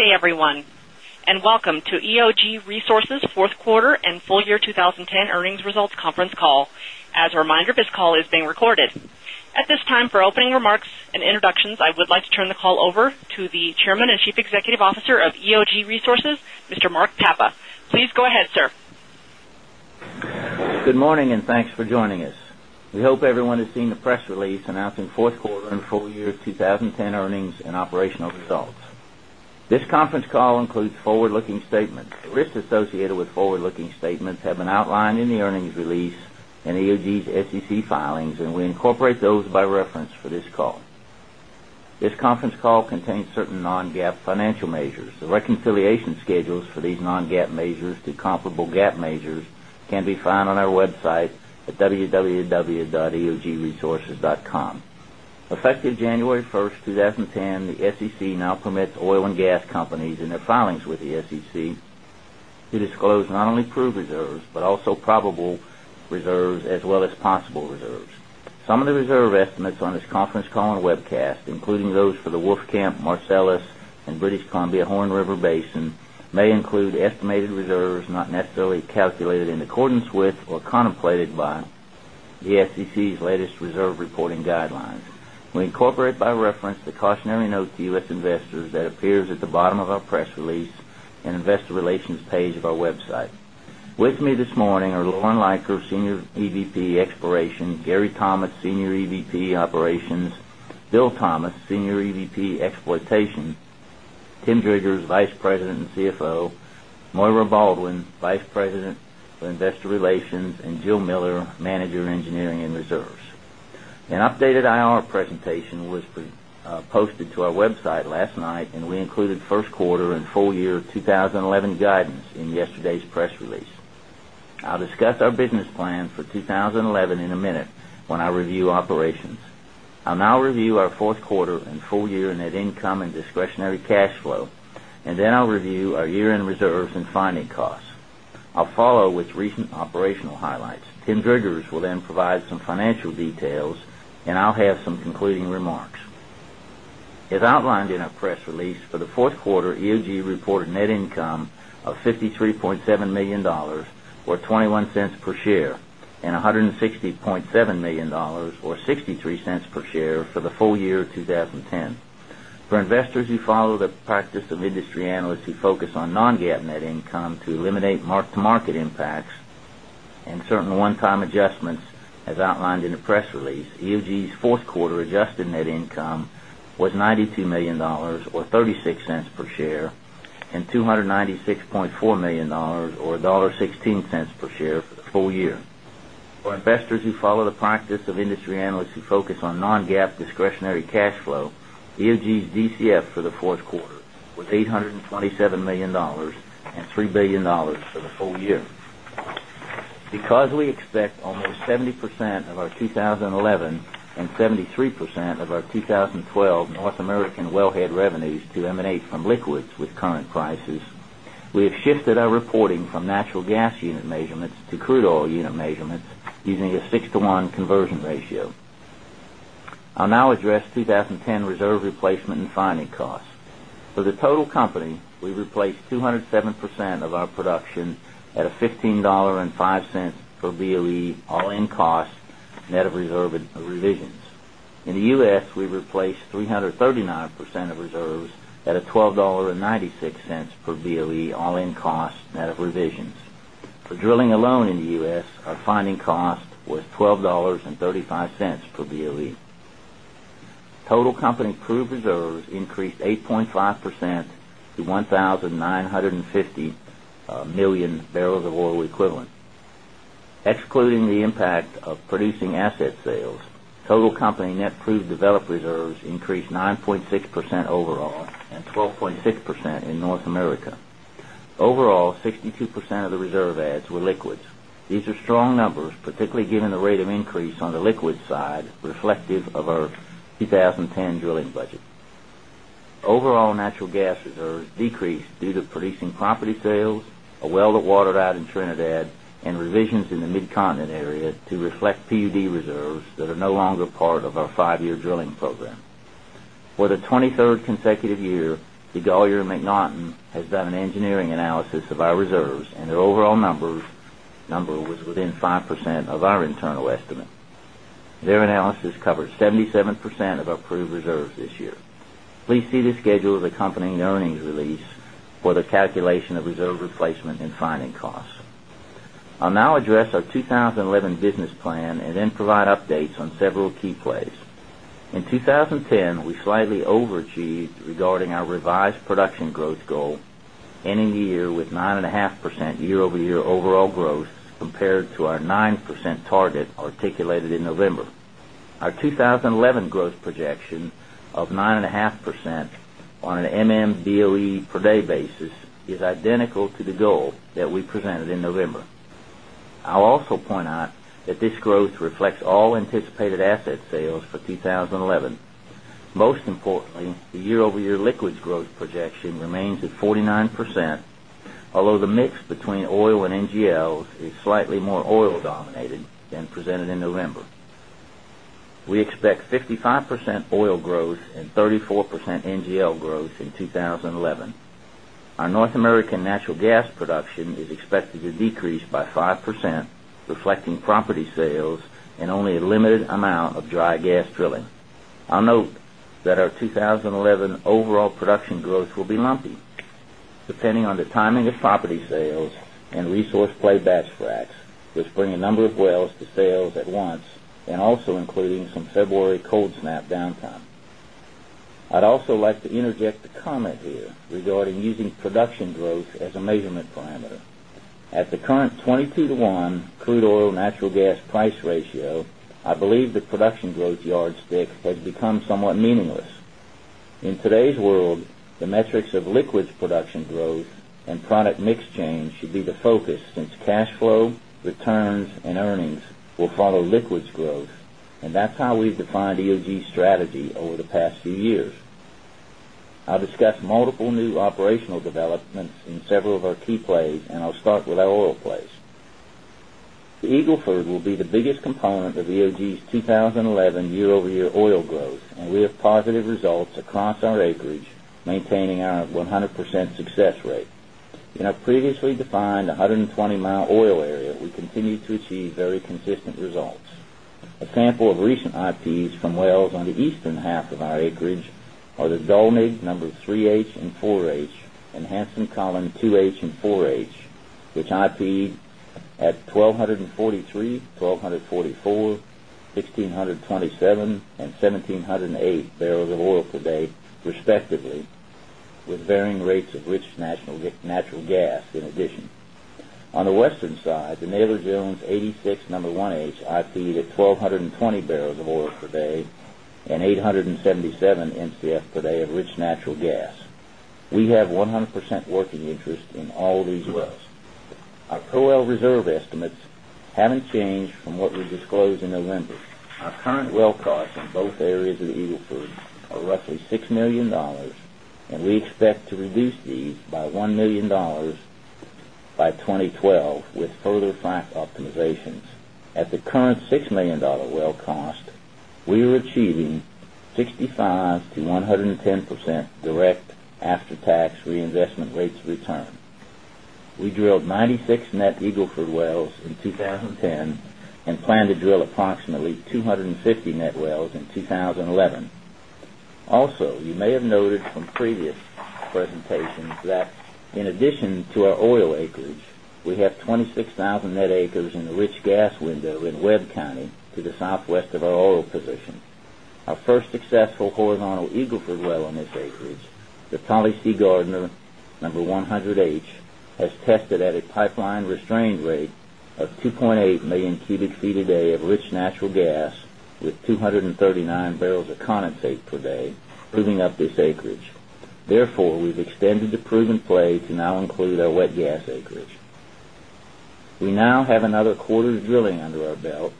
Good day, everyone, and welcome to EOG Resources 4th Quarter and Full Year 2010 Earnings Results Conference Call. As a reminder, this call is being recorded. At this time, for opening remarks and introductions, I would like to turn the call over to the Chairman and Chief Executive Officer of EOG Resources, Mr. Mark Papa. Please go ahead, sir. Good morning and thanks for joining us. We hope everyone has seen the press announcing Q4 and full year 20 10 earnings and operational results. This conference call includes forward looking statements. The risks associated with forward looking statements have been outlined in the earnings release and EOG's SEC filings and we incorporate those by reference for this call. This conference call contains certain non GAAP financial measures. The reconciliation schedules for these non GAAP measures to comparable GAAP measures can be found on our website at www.eogresources.com. Effective January 1, 2010, the SEC now permits oil and gas companies in their filings with the SEC to disclose not only proved reserves, but also probable reserves as well as possible reserves. Some of the reserve estimates on this conference call and webcast, including those for the Wolfcamp, Marcellus and British Columbia Horn River Basin, may include estimated reserves not necessarily calculated in accordance or contemplated by the SEC's latest reserve reporting guidelines. We incorporate by reference the cautionary note to U. S. Investors that appear at the bottom of our press release and Investor Relations page of our website. With me this morning are Lauren Leiker, Senior EVP, Exploration Gary Thomas, Senior EVP, Operations Bill Thomas, Senior EVP, Exploitation Tim Drager, Vice President and CFO Moira Baldwin, Vice President of Investor Relations and Jill Miller, Manager of Engineering and Reserves. An updated IR presentation was posted to our website last night and we included 1st quarter and full year 2011 guidance in yesterday's press release. I'll discuss our business plan for 2011 in a minute when I review operations. I'll now review our Q4 and full year net income and discretionary cash flow and then I'll review our year end reserves and $1,000,000 or $0.21 per share and $160,700,000 or $0.63 per share for the full year of 2010. For investors who follow the practice of industry analysts who focus on non GAAP net income to eliminate mark to market impacts and certain one time adjustments as outlined in the press release, EOG's 4th quarter adjusted net income was $92,000,000 or $0.36 per share and $296,400,000 or $1.16 per share for the full year. For investors who follow the practice of industry analysts who focus on non GAAP discretionary cash flow, EOG's DCF for the Q4 was 8 $27,000,000 $3,000,000,000 for the full year. Because we expect almost 70% of our 11% 73% of our 2012 North American wellhead revenues to emanate from liquids with current prices, we have shifted our reporting from natural gas unit measurements to crude oil unit measurements using a 6:one conversion ratio. I'll now address 2010 reserve replacement and finding costs. For the total company, we replaced 2 0 7 percent of our production at a $15.05 per BOE all in cost net of reserve revisions. In the U. S, we replaced 3 39 percent of reserves at a 12 $0.96 per BOE all in cost net of revisions. For drilling alone in the U. S, our finding cost was 12.3 $5 per BOE. Total company proved reserves increased 8.5% to 19 50,000,000 barrels of oil equivalent. Excluding the impact of producing asset sales, total company net proved developed reserves increased 9.6% overall and 12.6% in North America. Overall, 62% of the reserve adds were liquids. Overall natural gas reserves decreased due to producing property sales, a well that watered out in Trinidad and revisions in the Mid Continent area to reflect PUD reserves that are no longer part of our 5 year drilling program. For the 23rd consecutive year, the Galyer Mac and McNaughton has done an engineering analysis of our reserves and their overall number was within 5% of our internal estimate. Their analysis covered 77% of our proved reserves this year. Please see the schedule of the company's earnings release for the calculation of reserve replacement and and 20 our 9% target articulated in November. Our 2011 gross projection of 9.5% on an BOE per day basis is identical to the goal that we presented in November. I'll also point out that this growth reflects all anticipated asset sales for 2011. Most importantly, the year over year liquids growth projection remains at 49%, although the mix between oil and NGLs is slightly more oil dominated than presented in November. We expect 50 5% oil growth and 34 percent reflecting property sales and only a limited amount of dry gas drilling. I'll note that our 20 11 overall production growth will be lumpy. Depending on the timing of property sales and resource play batch fracs, which bring a number of wells to sales at once and also including some February cold snap downtime. I'd also like to interject a comment here regarding using production growth as a measurement parameter. At the current 22:one crude oil natural gas price ratio, I believe the production growth yardstick has become somewhat meaningless. In today's world, the metrics of liquids production growth and product mix change should be the focus since cash flow, returns and earnings will follow liquids growth and that's how we've defined start with our oil plays. The Eagle Ford will be the biggest component of EOG's 2011 year over year oil growth and we have positive results across our acreage maintaining our 100 percent success rate. In our previously defined 120 mile oil area, we continue to achieve very consistent results. A sample of recent IPs from wells on the eastern half of our acreage are the Dulneague number 3H and 4H and Hanson Collin 2H and 4H which IP ed at 1243, 1244, 1627 and 1708 barrels of oil per day respectively with varying rates of rich natural gas in addition. On the western side, the Naylor Jones 86 No. 1H IP ed at 12 20 barrels of oil per day and 8.77 Mcf per day of rich natural gas. We have 100 percent working interest in all these wells. Our pro well reserve estimates haven't changed from what we disclosed in November. Our current well costs in both areas of Eagle Ford are roughly $6,000,000 and we expect to reduce these by $1,000,000 by 2012 with further frac optimizations. At the current $6,000,000 well cost, we were achieving 65% to 110% direct after tax reinvestment rates return. We drilled 96 net Eagle Ford wells in 2010 and plan to drill approximately 250 net wells in 2011. Also you may have noted from previous presentations that in addition to our oil acreage, we have 26 horizontal Eagle Ford well on this acreage, the Poly C. Gardner 100H has tested at a pipeline restrained rate of 2.8 1,000,000 cubic feet a day of rich natural gas with 2.39 barrels of condensate per day proving up this acreage. Therefore, we've extended the proven play to now include our wet gas acreage. We now have another quarter of drilling under our belt.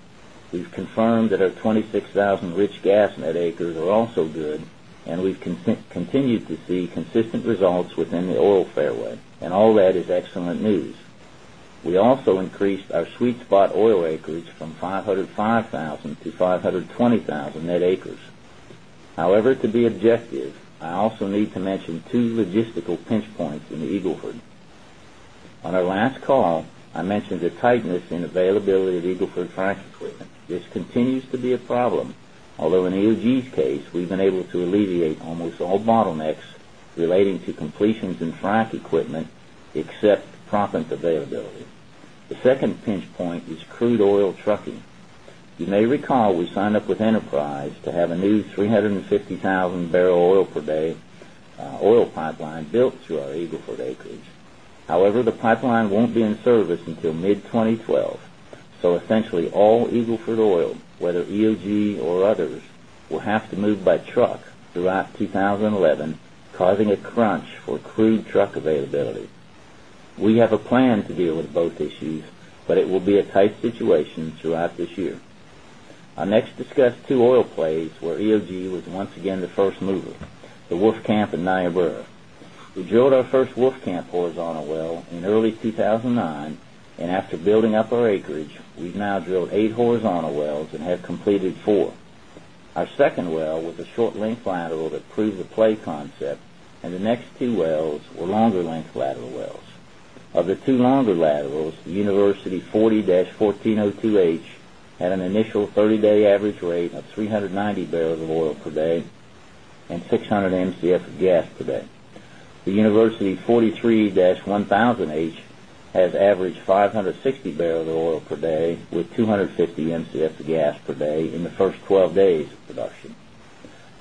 We've confirmed that our 26,000 However, to be objective, I also need to mention 2 logistical pinch points in the Eagle Ford. On our last call, I mentioned the tightness in availability of Eagle Ford frac equipment. This continues to be a problem, although in EOG's case, we've been able to alleviate almost all bottlenecks relating to completions and frac equipment except proppant availability. The second pinch point is crude oil trucking. You may recall we signed up with Enterprise to have a new 350,000 barrel oil per day oil pipeline built through our Eagle Ford acreage. However, the pipeline won't be in service until mid-twenty 12. So essentially all Eagle Ford oil whether EOG or others will will have to move by truck throughout 2011 causing a crunch for crude truck availability. We have a plan to deal with both issues, but it will be a tight situation throughout this year. I'll next discuss 2 oil plays where EOG was once again the first mover, the Wolfcamp in Niobrara. We drilled our 1st Wolfcamp horizontal well in early 2000 and horizontal wells and have completed 4. Our second well was a short length lateral that proves the play concept and the next two wells were longer length lateral wells. Of the 2 longer laterals, the University forty-fourteen oh two had an initial 30 day average rate of 3.90 barrels of oil per day and 600 Mcf of gas per day. The University 40 3-1000H has averaged 560 barrels of oil per day with 2 50 mcf of gas per day in the 1st 12 days of production.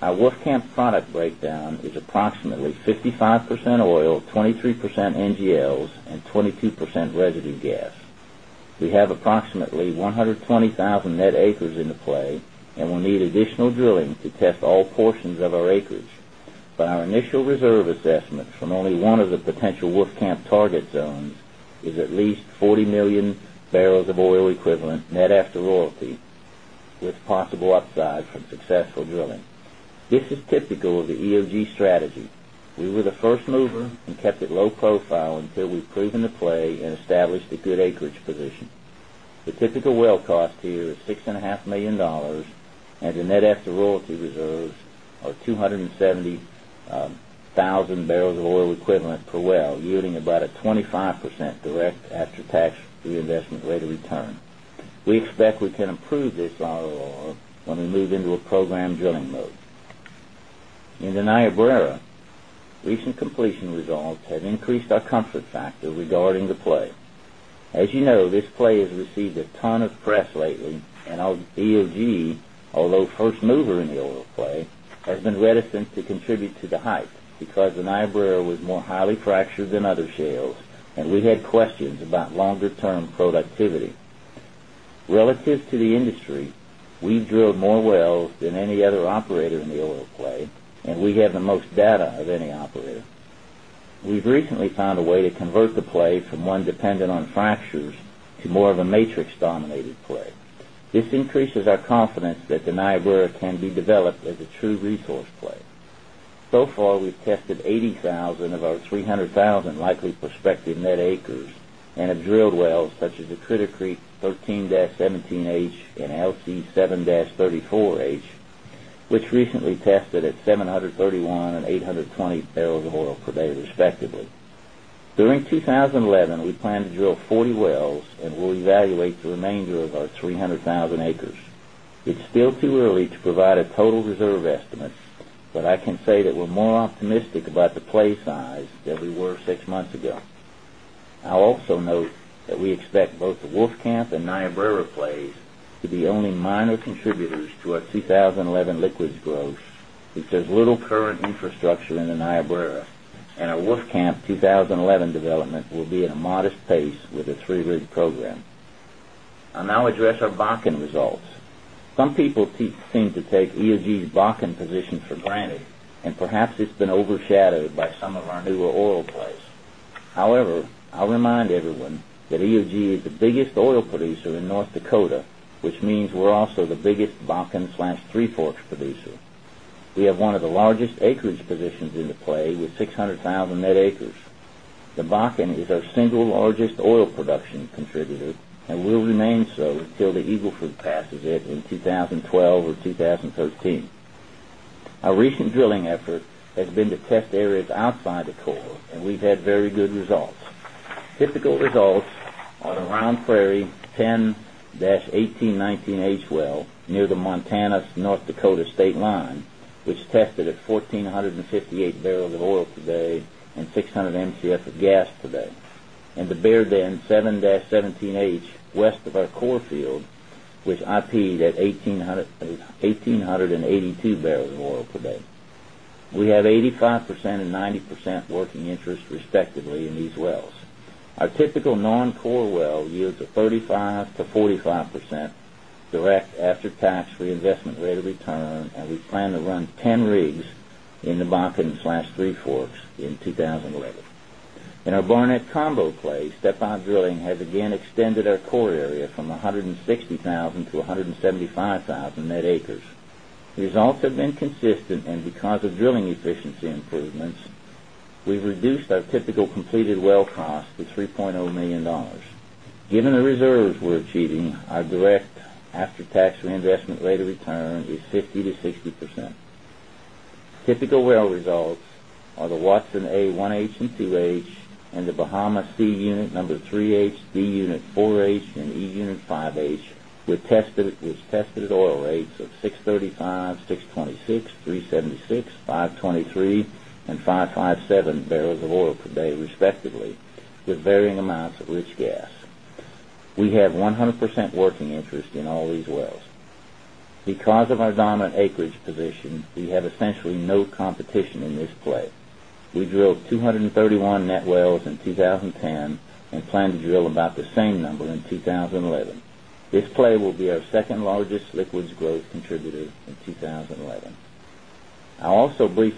Our Wolfcamp product breakdown is approximately 55 percent oil, 23 percent NGLs and 22% residue gas. We have our initial reserve assessment from only one of the potential Wolfcamp target zones is at least 40,000,000 barrels of oil equivalent net after royalty with possible upside from successful drilling. This is typical of the EOG strategy. We were the 1st mover and kept it low profile until we've proven to play and established a good acreage position. The typical well cost here is $6,500,000 and the net after royalty reserves are 270,000 barrels of oil equivalent per well yielding about a 25% direct after tax reinvestment rate of return. We expect we can improve this ROI when we move into a program drilling mode. In the Niobrara, recent completion results have increased our comfort factor regarding the play. As you know, this play has received a ton of press lately and our EOG, although first mover in the oil play, has been reticent to productivity. Relative to the industry, we drilled more wells than any other operator in the oil play and we have the most data of any operator. We've recently found a way to convert the play from 1 dependent on fractures to more of a matrix dominated play. This increases our confidence that the Niobrara can be developed as a true resource play. So far, we've tested 80,000 of our 300,000 likely prospective net acres and have drilled wells such as the Critter Creek 13-17H and LC-seven-34H which recently tested at 731 and 820 barrels of oil per day respectively. During 2011, we plan to drill 40 wells and we'll evaluate the remainder of our 300,000 acres. It's still too early to provide a total reserve estimate, but I can say that we're more optimistic about the play size that we were 6 months ago. I'll also note that we expect both the Wolfcamp and Niobrara plays to be only minor contributors to our 2011 liquids growth, which has little current infrastructure in the Niobrara and our Wolfcamp 11 development will be at a modest pace with a 3 rig program. I'll now address our Bakken results. Some people seem to take EOG's Bakken position for granted and perhaps it's been overshadowed by some of our newer oil plays. However, I remind everyone that EOG is the biggest oil producer in North Dakota, which means we're also the biggest BakkenThree Forks producer. We have one of the largest acreage positions in the play with 600,000 net acres. The Bakken is our single largest oil production contributor and will remain so until the Eagle Ford passes it in 2012 or 2013. Our recent drilling effort has been to test areas outside the core and we've had very good results. Typical results on the Round Prairie ten-eighteen-nineteen H well near the Montana, North Dakota state line, which tested at 14 58 barrels of oil today and 600 Mcf of gas today. And the Bear Den 7-17H west of our core field, which IP ed at 1882 barrels of oil per day. We have 80 5% 90% working interest respectively in these wells. Our typical non core well yields to 45% direct after tax reinvestment rate of return and we plan to run 10 rigs in the BakkenThree Forks in 2011. In our Barnett combo place, step by drilling has again extended our core area from 160,000 to 175,000 net acres. The results have been consistent and because of drilling efficiency improvements, we've reduced our typical completed well cost to $3,000,000 Given the reserves we're achieving, our direct after tax reinvestment rate of return is 50% to 60%. Typical well results are the Watson A-1H and 2H and the Bahama C Unit 3H, B Unit 4H and E Unit 5H were tested at oil rates of 6.35, 6.26, 3.70 6, 5.23 and 5.57 barrels of oil per day respectively with varying amounts of rich gas. We have 100% working interest in all these wells. Because of our dominant acreage position, we have essentially no competition in this play. We drilled 231 net wells in 2010 and plan to drill about the same number in 2011. This play will be our 2nd largest liquids growth contributor in 20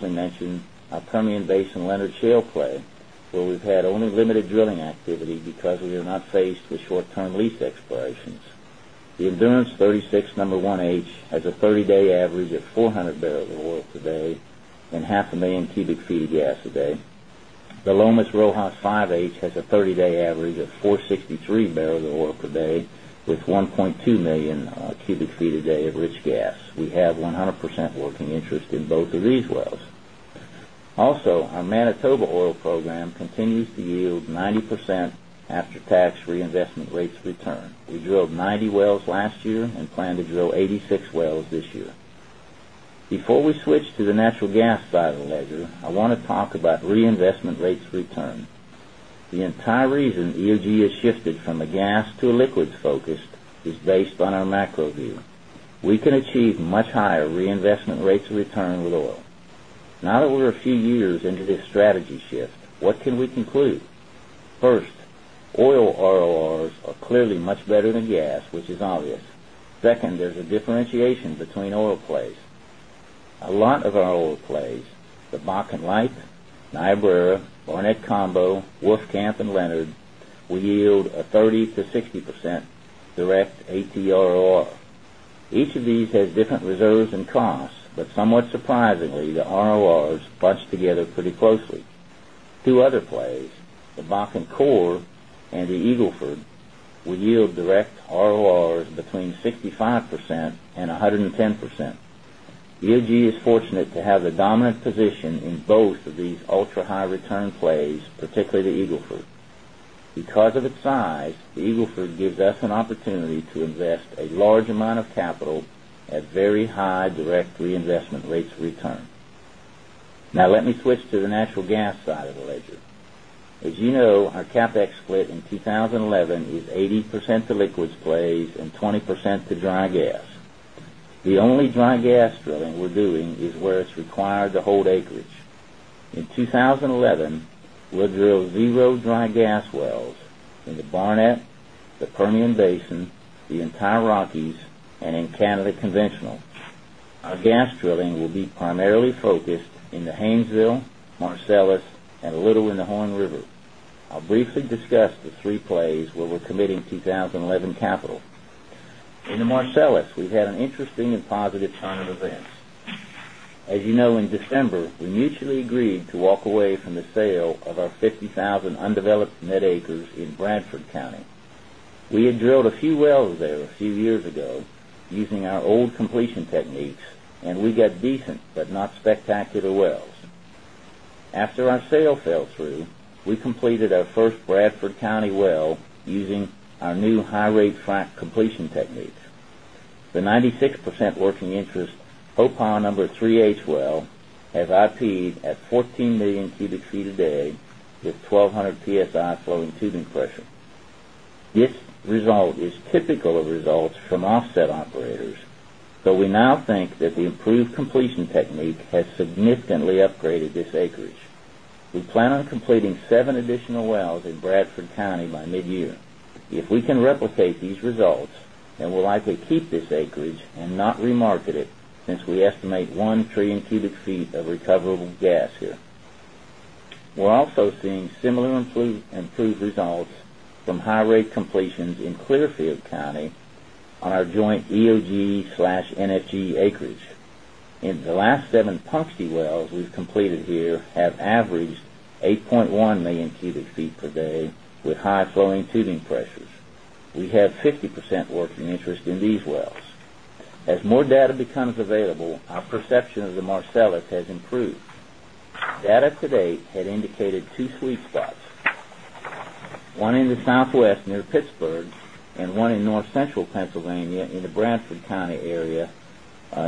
mention our Permian Basin Leonard Shale play where we've had only limited drilling activity because we are not faced with short term lease expirations. The Endurance 361H has a 30 day average of 400 barrels of oil per day and 500,000 cubic feet of gas a day. The Lomas Rojas 5H has a 30 day average of 4.63 barrels of oil per day with 1,200,000 cubic feet a day of rich gas. We have 100 percent working interest in both of these wells. Our Manitoba oil program continues to yield 90% after tax reinvestment rates return. We drilled 90 wells last year and plan to drill 86 wells this year. Before we switch to the natural gas side of the ledger, I want to talk about reinvestment rates return. The entire reason EOG has shifted from a gas to a liquids focus is based on our macro view. We can achieve much higher reinvestment rates return with oil. Now that we're a few years into this strategy shift, what can we conclude? 1st, oil RORs are clearly much better than gas, which is obvious. 2nd, there is a differentiation between oil plays. A lot of our oil plays, the Bakken Light, Niobrara, Barnett Combo, Wolfcamp and Leonard will yield a 30% to 60% direct AT reserves and costs, but somewhat surprisingly the RORs bunch together pretty closely. 2 other plays, the Bakken Corp and the Eagle Ford, will yield direct RORs between 65% 110%. EOG is fortunate to have the dominant position in both of these ultra high return plays particularly the Eagle Ford. Because of its size, the Eagle Ford gives us an opportunity to invest a large amount of capital at very high direct reinvestment rates of return. Now let me switch to the natural gas side of the ledger. As you know, our CapEx split in 2011 is 80% to liquids plays and 20% to dry gas. The only percent to dry gas. The only dry gas drilling we're doing is where it's required to hold acreage. In 2011, we'll drill 0 dry gas wells in the Barnett, the Permian Basin, the entire Rockies and in Canada conventional. Our gas drilling will be primarily focused in the Haynesville, Marcellus and a little in the Horn River. I'll briefly discuss the 3 plays where we're 20 11 capital. In the Marcellus, we've had an interesting and positive turn of events. As you know, in December, we mutually agreed to walk away from the sale of our 50,000 undeveloped net acres in Bradford County. We had drilled a few wells there a few years ago using our old completion techniques and we got decent but not spectacular wells. After our sale fell through, we completed our 1st Bradford County well using our new high rate frac completion techniques. The 96% working interest, Hopaw 3H well has IP ed at 14,000,000 cubic feet a day with 1200 PSI flowing tubing pressure. This result is typical of results from offset operators, but we now think that the improved completion technique has significantly upgraded this acreage. We plan on completing 7 additional wells in Bradford County by mid year. If we can replicate these results, then we'll likely keep this acreage and not remarket it since we estimate 1 trillion cubic feet of recoverable gas here. We're also seeing similar improved results from high rate completions in Clearfield County on our joint EOGNFG acreage. In the last 7 Punksy wells we've completed here have averaged 8,100,000 cubic feet per day with high flowing tubing pressures. We have 50% working interest in these wells. As more data becomes available, our perception of the Marcellus has improved. Data to date had indicated 2 sweet spots, 1 in the Southwest near Pittsburgh and 1 in North Central Pennsylvania in the Bradford County area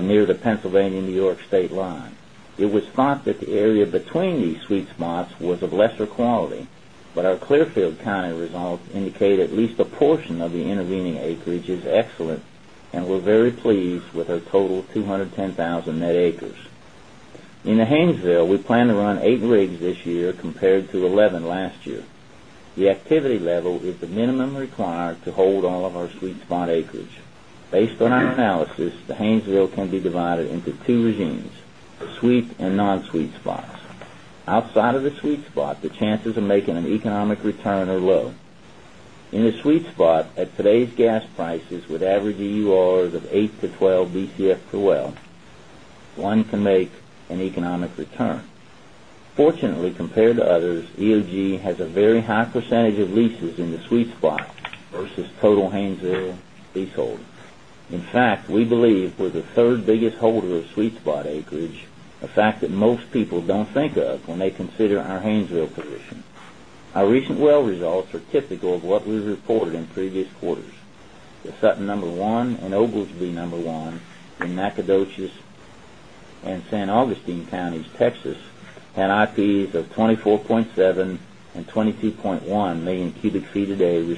near the Pennsylvania New York state line. It was thought that the area between these sweet spots was of lesser quality, but our Clearfield County results indicate at least a portion of the intervening acreage is excellent and we're very pleased with our total 210,000 net acres. In the Haynesville, we plan to run 8 rigs this year compared to 11 last year. The activity level is the minimum required to hold all of our sweet spot acreage. Based on our analysis, the Haynesville can be divided into 2 regimes, the sweet and non sweet spots. Outside of the sweet spot, the chances of making an economic return are low. In the sweet spot, at today's gas prices with average EURs of 8 to 12 Bcf today's gas prices with average EURs of 8 Bcf to 12 Bcf per well, one can make an economic Fortunately, compared to others, EOG has a very high percentage of leases in the sweet spot versus total Haynesville leasehold. In fact, we believe we're the 3rd biggest holder of sweet spot acreage, a fact that most people don't think of when they consider our Haynesville position. Our recent well results are typical of what we reported in previous quarters. The Sutton number 1 and Oglesbee number 1 in Nacogdoches and San Augustine Counties, Texas had IPs of 24.7 and 21,000,000 cubic feet a day from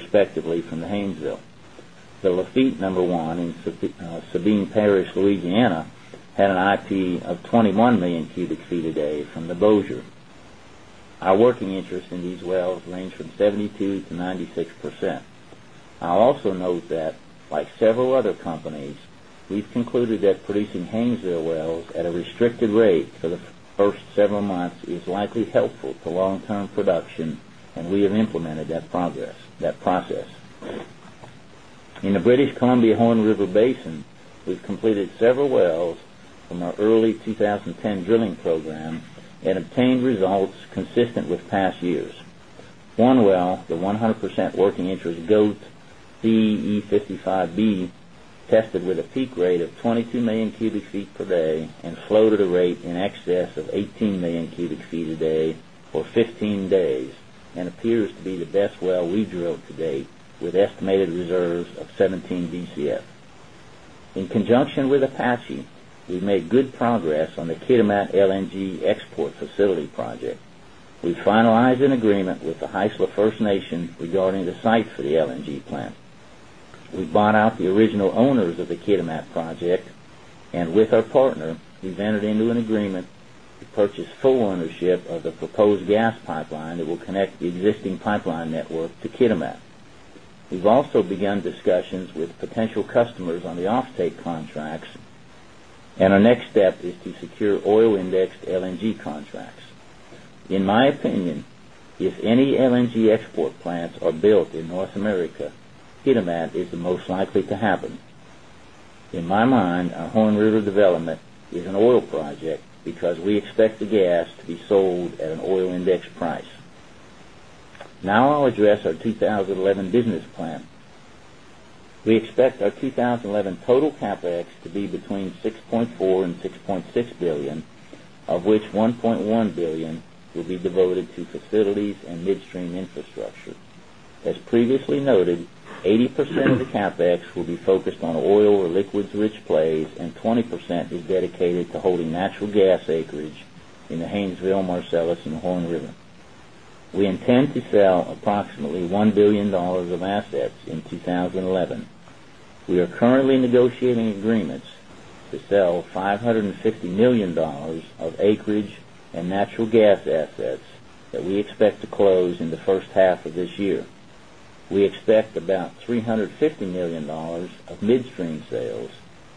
the Bossier. Our working interest in these wells range from 72% to 96%. I'll also note that like several other companies, we've concluded that producing Haynesville wells at a restricted rate for the 1st several months is likely helpful to long term production and we have implemented that progress that process. In the British Columbia Horn River Basin, we completed several wells from our early 2010 drilling program and obtained results consistent with past years. 100% working interest GOAT BE55B tested with a peak rate of 22,000,000 cubic feet per day and flowed at a rate in excess of 18,000,000 cubic feet a day for 15 days and appears to be the best well we drill to date with estimated reserves of 17 Bcf. In conjunction with Apache, we've made good progress on the Kitimat LNG export facility project. We finalized an agreement with the Heisla First Nation regarding the site for the LNG. We finalized an agreement with the Heisla First Nation regarding the site for the LNG plant. We bought out the original owners of the Kitimat project and with next step is to secure oil indexed LNG contracts. In my opinion, if any LNG export plants are built in North America, Kitimat is the most likely to happen. In my mind, our Horn River development is an oil project because we expect the gas to be sold at an oil index price. Now I'll address our 20 11 business plan. We expect our 20 11 total CapEx to be between $6,400,000,000 $6,600,000,000 of which 1.1 $1,000,000,000 will be devoted to facilities and midstream infrastructure. As previously noted, 80% of the CapEx will be focused on oil or liquids rich plays and 20% is dedicated to holding natural gas acreage in the Haynesville, Marcellus and Horn River. We intend to sell approximately $1,000,000,000 of assets in 2011. We are currently negotiating agreements to sell 5 $50,000,000 of acreage and natural gas assets that we expect to close in the first half of this year. We expect about 3 $50,000,000 of midstream sales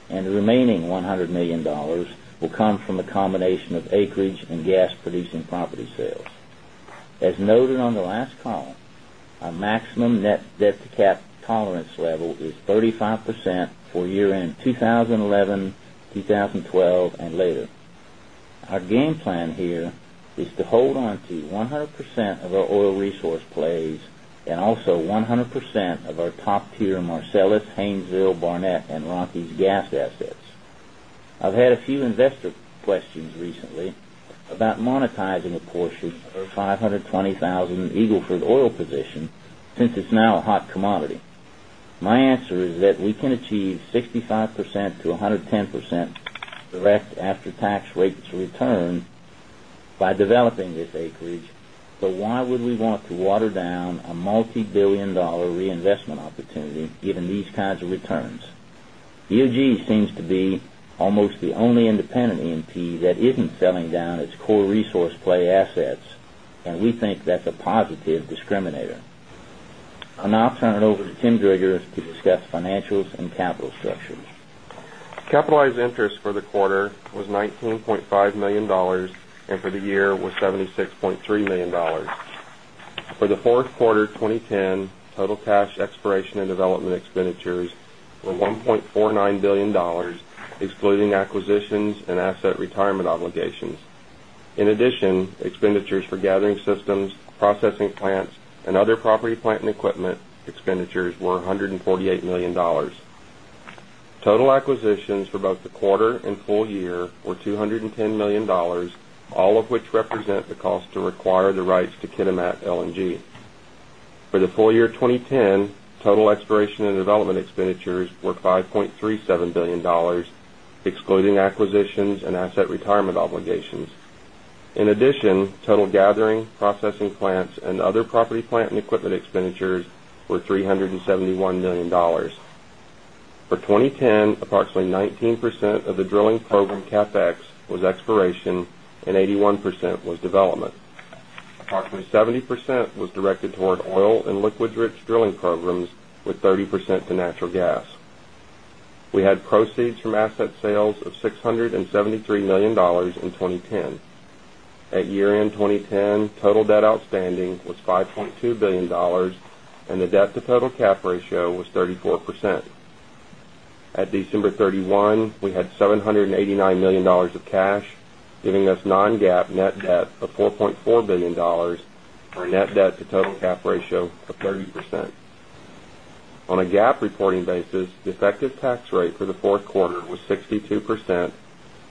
and the remaining $100,000,000 will come from a combination of acreage and gas producing property sales. As noted on the last call, our maximum net debt to cap tolerance level is 35% for year end percent I've had a few investor questions recently about monetizing a portion of our 520,000 Eagle Ford oil position since it's now a hot commodity. My answer is that we can achieve 65% to 110% direct after tax rate to return by developing this acreage, but why would we want to water down a multi $1,000,000,000 reinvestment opportunity given these kinds of returns. EOG seems to be almost the only independent E and P that isn't selling down its core resource play assets and we think that's a positive discriminator. I'll now turn it over to Tim Driggers to discuss financials and capital structures. Capitalized interest for the quarter was $19,500,000 and for the year was $76,300,000 For the Q4 20 10, total cash exploration and development expenditures were 1 point expenditures were $148,000,000 Total acquisitions for both the quarter and full year were $210,000,000 all of which represent the cost to require the rights to Kitimat LNG. For the full year 2010, total exploration and development expenditures were $5,370,000,000 excluding acquisitions and asset retirement obligations. In addition, total gathering, processing plants and other property plant and equipment expenditures were $371,000,000 For 20 10, approximately 19% of the drilling program CapEx was exploration and 81% was development. Approximately 70 percent was directed toward oil and liquids rich drilling programs with 30% to natural gas. We had proceeds from asset sales of $673,000,000 in 20.10. At year end 20 10, total debt outstanding was 5 $200,000,000 and the debt to total cap ratio was 34%. At December 31, we had $789,000,000 of cash giving us non GAAP net debt of $4,400,000,000 or a net debt to total GAAP ratio of 30%. On a GAAP reporting basis, the effective tax rate for the 4th quarter was 62%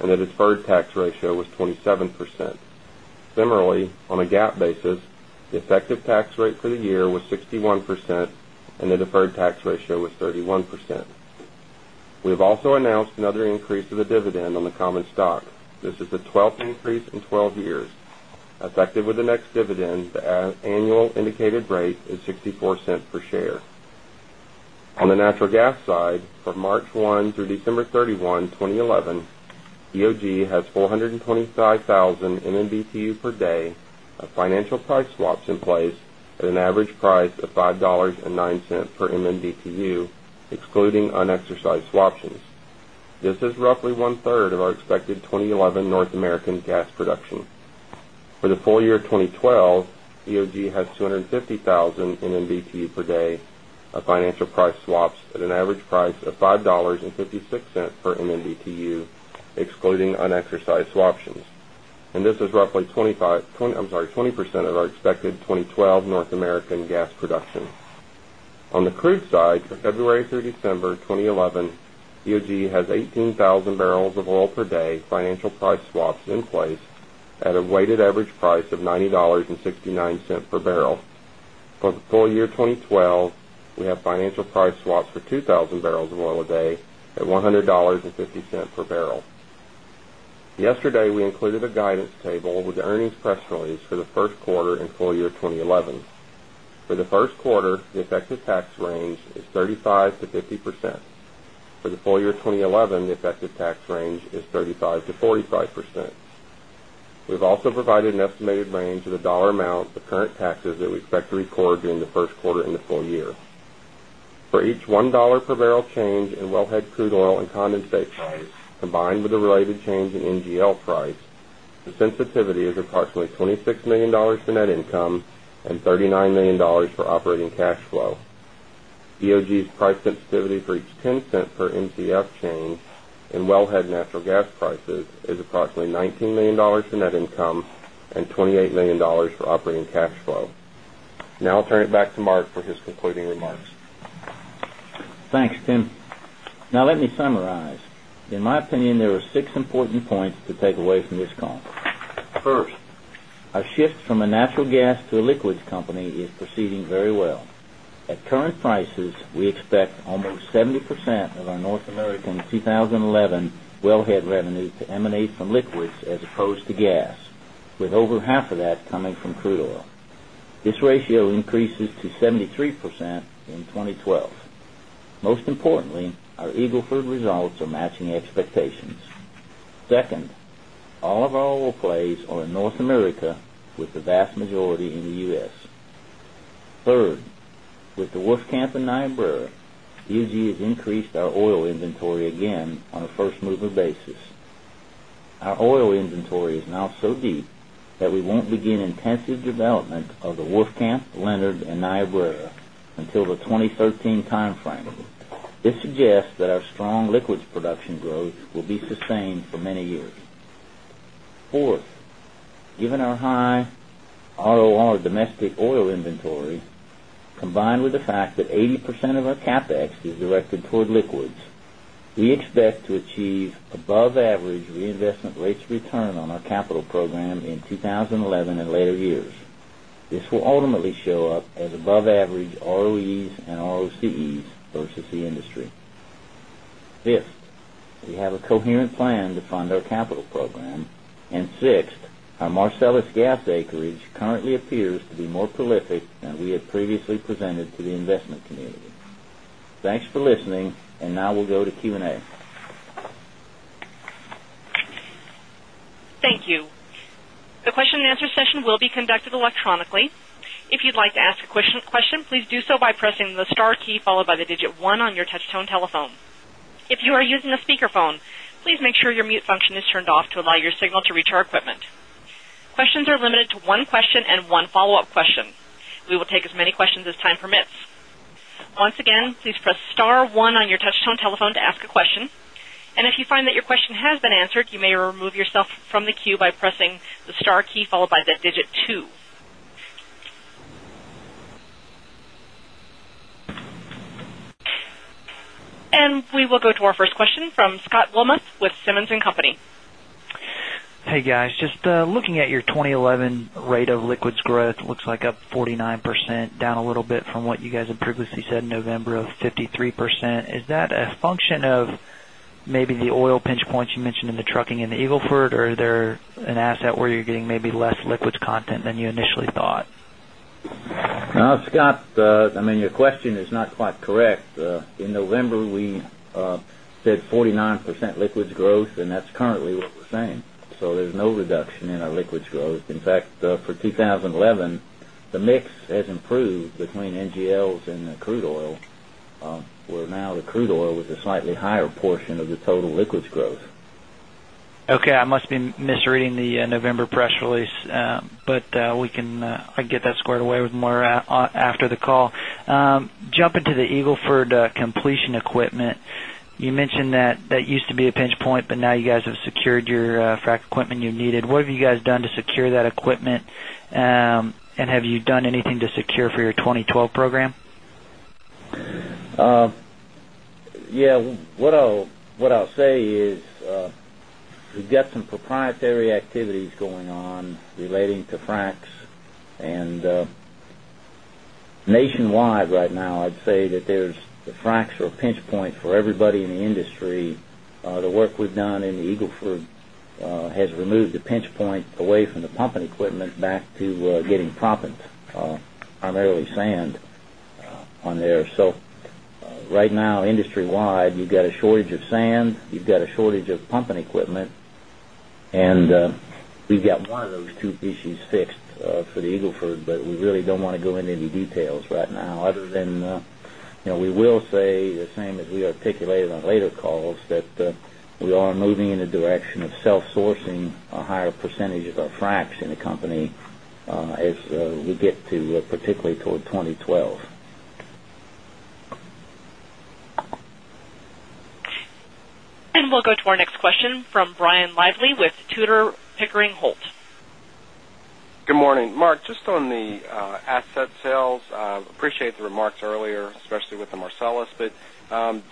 and the deferred tax ratio was 27%. Similarly, on a GAAP basis, the effective tax rate for the year was 61% and the deferred tax ratio was 31%. We have also announced another increase of the annual indicated rate is $0.64 per share. On the natural gas side, from March 1 through December 31, 2011, EOG has 425,000 MMBtu per day of financial price swaps in place at an average price of $5.09 per MMDtu excluding unexercised swaptions. This is roughly 1 third of our expected 20 11 North American gas production. For the full year 2012, EOG has 250,000 NMBTU per day of financial price swaps at an average price of $5.56 per MMbtu excluding unexercised swaptions. And this is roughly 20 percent of our expected 2012 North American gas production. On the crude side, for February through December 2011, EOG has 18,000 barrels of oil per day financial price swaps in place at a weighted average price of $90.69 per barrel. For the full year 2012, we have financial price swaps for 2,000 barrels of oil a day at $100.50 per barrel. Yesterday, we included a guidance table with the earnings press release for the Q1 and full year 2011. For the Q1, the effective tax range is 35% to 50%. For the full year 2011, the effective tax range is 35% to 40 5%. We've also provided an estimated range of the dollar amount of current taxes that we expect to record during the Q1 and the full year. For each one dollars per barrel change in wellhead crude oil and condensate price combined with the related change in NGL price, the sensitivity is approximately $26,000,000 to net income $39,000,000 for operating cash flow. EOG's price sensitivity for each $0.10 per Mcf change in wellhead natural gas prices is approximately $19,000,000 for net income and $28,000,000 for operating cash flow. Now I'll turn it back to Mark for his concluding remarks. Thanks, Tim. Now let me summarize. In my opinion, there are 6 important points to take away from this call. 1st, our shift from a natural gas to a liquids company is proceeding very well. At current prices, we expect almost 70% of our North American 2011 wellhead revenue to emanate from liquids as opposed to gas with over half that coming from crude oil. This ratio increases to 73% in 2012. Most importantly, our Eagle Ford are matching expectations. 2nd, all of our plays are in North America with the vast majority in the U. S. 3rd, with the Wolfcamp and Niobrara, EZ has increased our oil inventory again on a 1st mover basis. Our oil inventory is now so deep that we won't begin intensive development of the Wolfcamp, Leonard and Niobrara until the 2013 timeframe. This suggests that our strong liquids production growth will be sustained for many years. 4th, given our high ROR domestic oil inventory combined with the fact that 80% of our CapEx is directed toward liquids, we expect to achieve above average reinvestment rates of return on our capital program in 20 11 and later years. This will ultimately show up as above average ROEs and ROCEs versus the industry. 5th, we have a coherent plan to fund our capital program. And 6th, our Marcellus gas acreage currently appears to be more prolific than we had previously presented to the investment community. Thanks for listening. And now we'll go to Q and A. Thank you. The question and answer session will be conducted And we will go to our first question from Scott Wilmot with Simmons and Company. Hey guys. Just looking at your 2011 rate of liquids growth, it looks like up 49%, down a little bit from what you guys have previously said in November of 53%. Is that a function of maybe the oil pinch points you mentioned in the trucking in the Eagle Ford? Or are there an asset where you're getting maybe less liquids content than you initially thought? Scott, I mean your question is not quite correct. In November, we said 49% liquids growth and that's currently what we're saying. So there's no 2011, the mix has improved between NGLs and crude oil, where now the crude oil is a slightly higher portion of the total liquids growth. Okay. I must be misreading the November press release, but we can get that squared away with more after the call. Jumping to the Eagle Ford completion equipment, you mentioned that that used to be a pinch point, but now you guys have secured your frac equipment you needed. What have you guys done to secure that equipment? And have you done anything to secure for your 2012 program? Yes. What I'll say is we've got some proprietary activities going on relating to fracs. And nation wide right now, I'd say that there's the fracs are a pinch point for everybody in the industry. The work we've done in the Eagle Ford has removed the pinch So right now industry wide you've got a shortage of sand, you've got a shortage of pumping equipment. And we've got one of those two issues fixed for the Eagle Ford, but we really don't want to go into any details right now other than we will say the same as we articulated on later calls that we are moving in the direction of self sourcing a higher percentage of our fracs in the company as we get to particularly toward 2012. And we'll go to our next question from Brian Lively with Tudor, Pickering, Holt. Good morning. Mark, just on the asset sales, appreciate the remarks earlier, especially with the Marcellus, but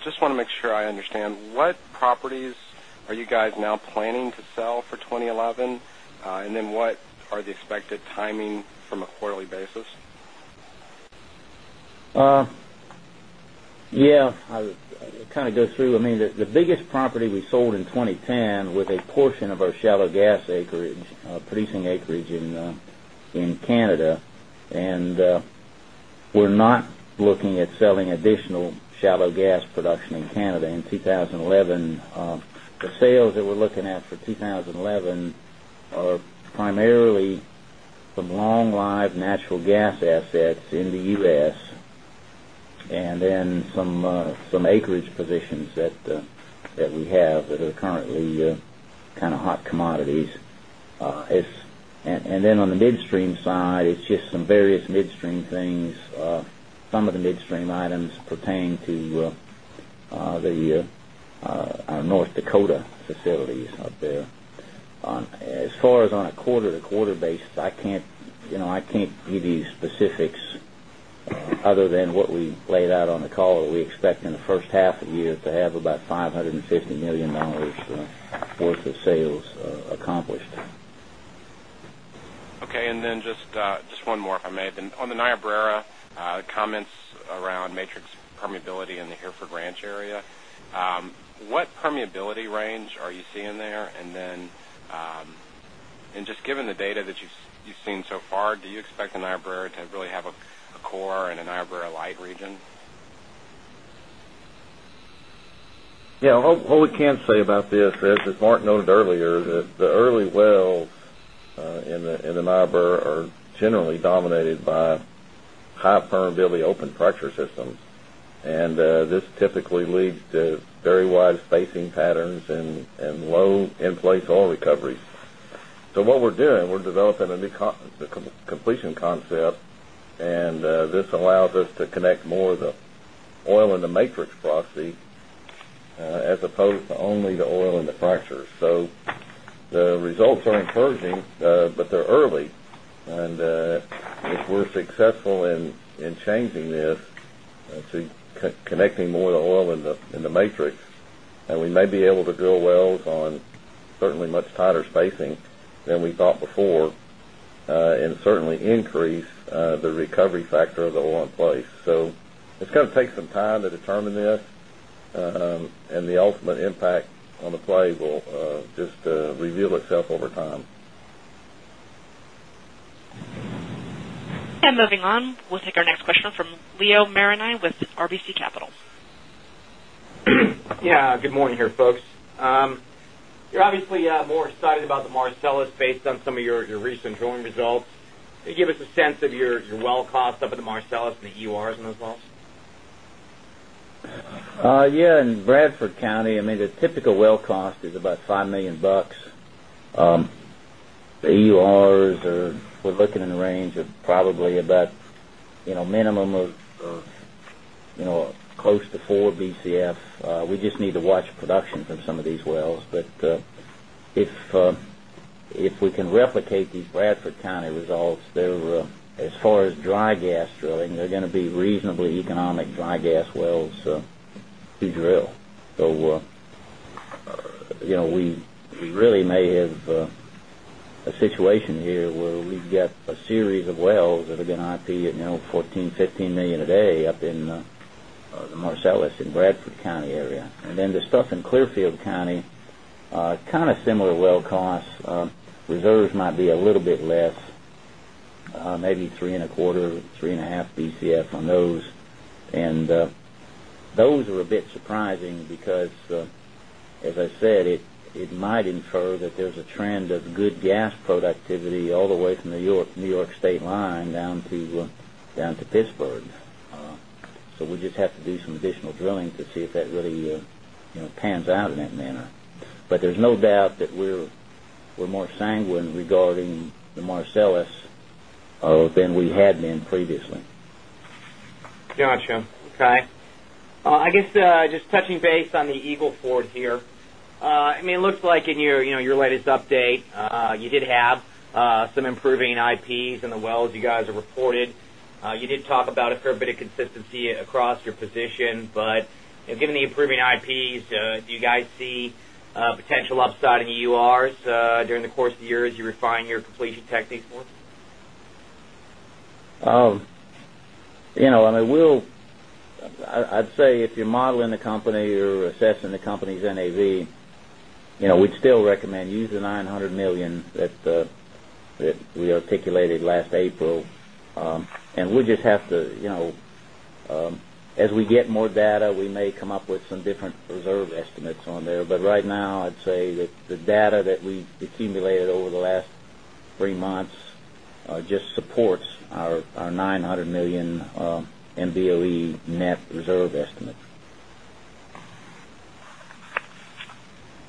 just want to make sure I understand what properties are you guys now planning to sell for 2011? And then what are the expected timing from a quarterly basis? Yes. I'll kind of go through, I mean, the biggest property we sold in 2010 with a portion of our shallow gas acreage, producing acreage in Canada. And we're not looking at selling additional shallow gas production in 2011. The sales that we're looking at for 2011 are primarily from long live natural gas assets in the U. S. And then some acreage positions that we have that are currently kind of hot commodities. And then on the midstream side, it's just some various midstream facilities up there. As far as on a quarter to quarter basis, I can't give you specifics of sales accomplished. Okay. Of sales accomplished. Okay. And then just one more if I may. On the Niobrara comments around matrix permeability in the Hereford Ranch area, what permeability range are you seeing there? And then and just given the data that you've seen so far, do you expect Niobrara to really have a core in an Niobrara light region? Yes. What we can say about this is, as Mark noted earlier, the early wells in are generally dominated by high permeability open fracture systems. And this typically leads to very wide spacing patterns and low in place oil recoveries. So what we're doing, we're developing a new completion concept and this encouraging, but they're early. And if we're successful in changing this to connecting more certainly increase the recovery factor of the oil in place. So, it's going to take some time to determine this and the ultimate impact on the play will just reveal itself over time. And moving on, we'll take next question from Leo Marini with RBC Capital. Yes. Good morning here folks. You're obviously more excited about the Marcellus based on some of your recent drilling results. Can you give us a sense of your well cost up at the Marcellus and the EURs and those wells? Yes. In Bradford County, I mean the typical well cost is about $5,000,000 The EURs are we're looking in the range of probably about minimum of close to 4 Bcf. We just need to watch production from some of these wells. But if we can replicate these Bradford County results, they're as far as dry gas drilling, they're going to be reasonably economic dry gas wells to drill. So we really may have a situation here where we get a series of wells that have been IP at 14000000, 15000000 a day up in the Marcellus and Bradford County area. And then the stuff in Clearfield County, kind of similar well costs, reserves might be a a because as I said, it might infer that there's a trend of good gas productivity all the way from New York State line down to Pittsburgh. So we just have to do some additional drilling to see if that really pans out in that manner. But there's no doubt that we're more sanguine regarding the Marcellus than we had been previously. Got you. Okay. I guess just touching base on the Eagle Ford here. I mean it looks like in your latest update, you did have some improving IPs in the wells you guys have reported. You did talk about a fair bit of consistency across your position. But given the improving IPs, do you guys see potential upside in the URs during the course of the year as you refine your completion techniques? I mean, we'll I'd say if you're modeling the company or assessing the company's NAV, we still recommend use the $900,000,000 that we articulated last April. And we just have to as we get more data, we may come up with some different reserve estimates on there. But right now, I'd say that the data that we accumulated over the last 3 months just supports our 9 $100,000,000 MBOE net reserve estimate.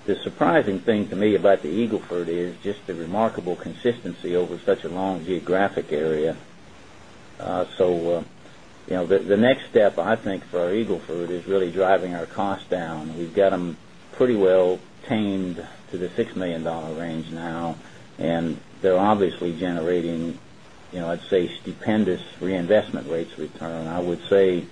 The surprising The surprising thing to me about the Eagle Ford is just the remarkable consistency over such a long geographic area. So the next step, think, for our Eagle Ford is really driving our costs down. We've got them pretty well tamed to the $6,000,000 range now. And they're obviously generating, I'd say, stupendous reinvestment rates return. I would say,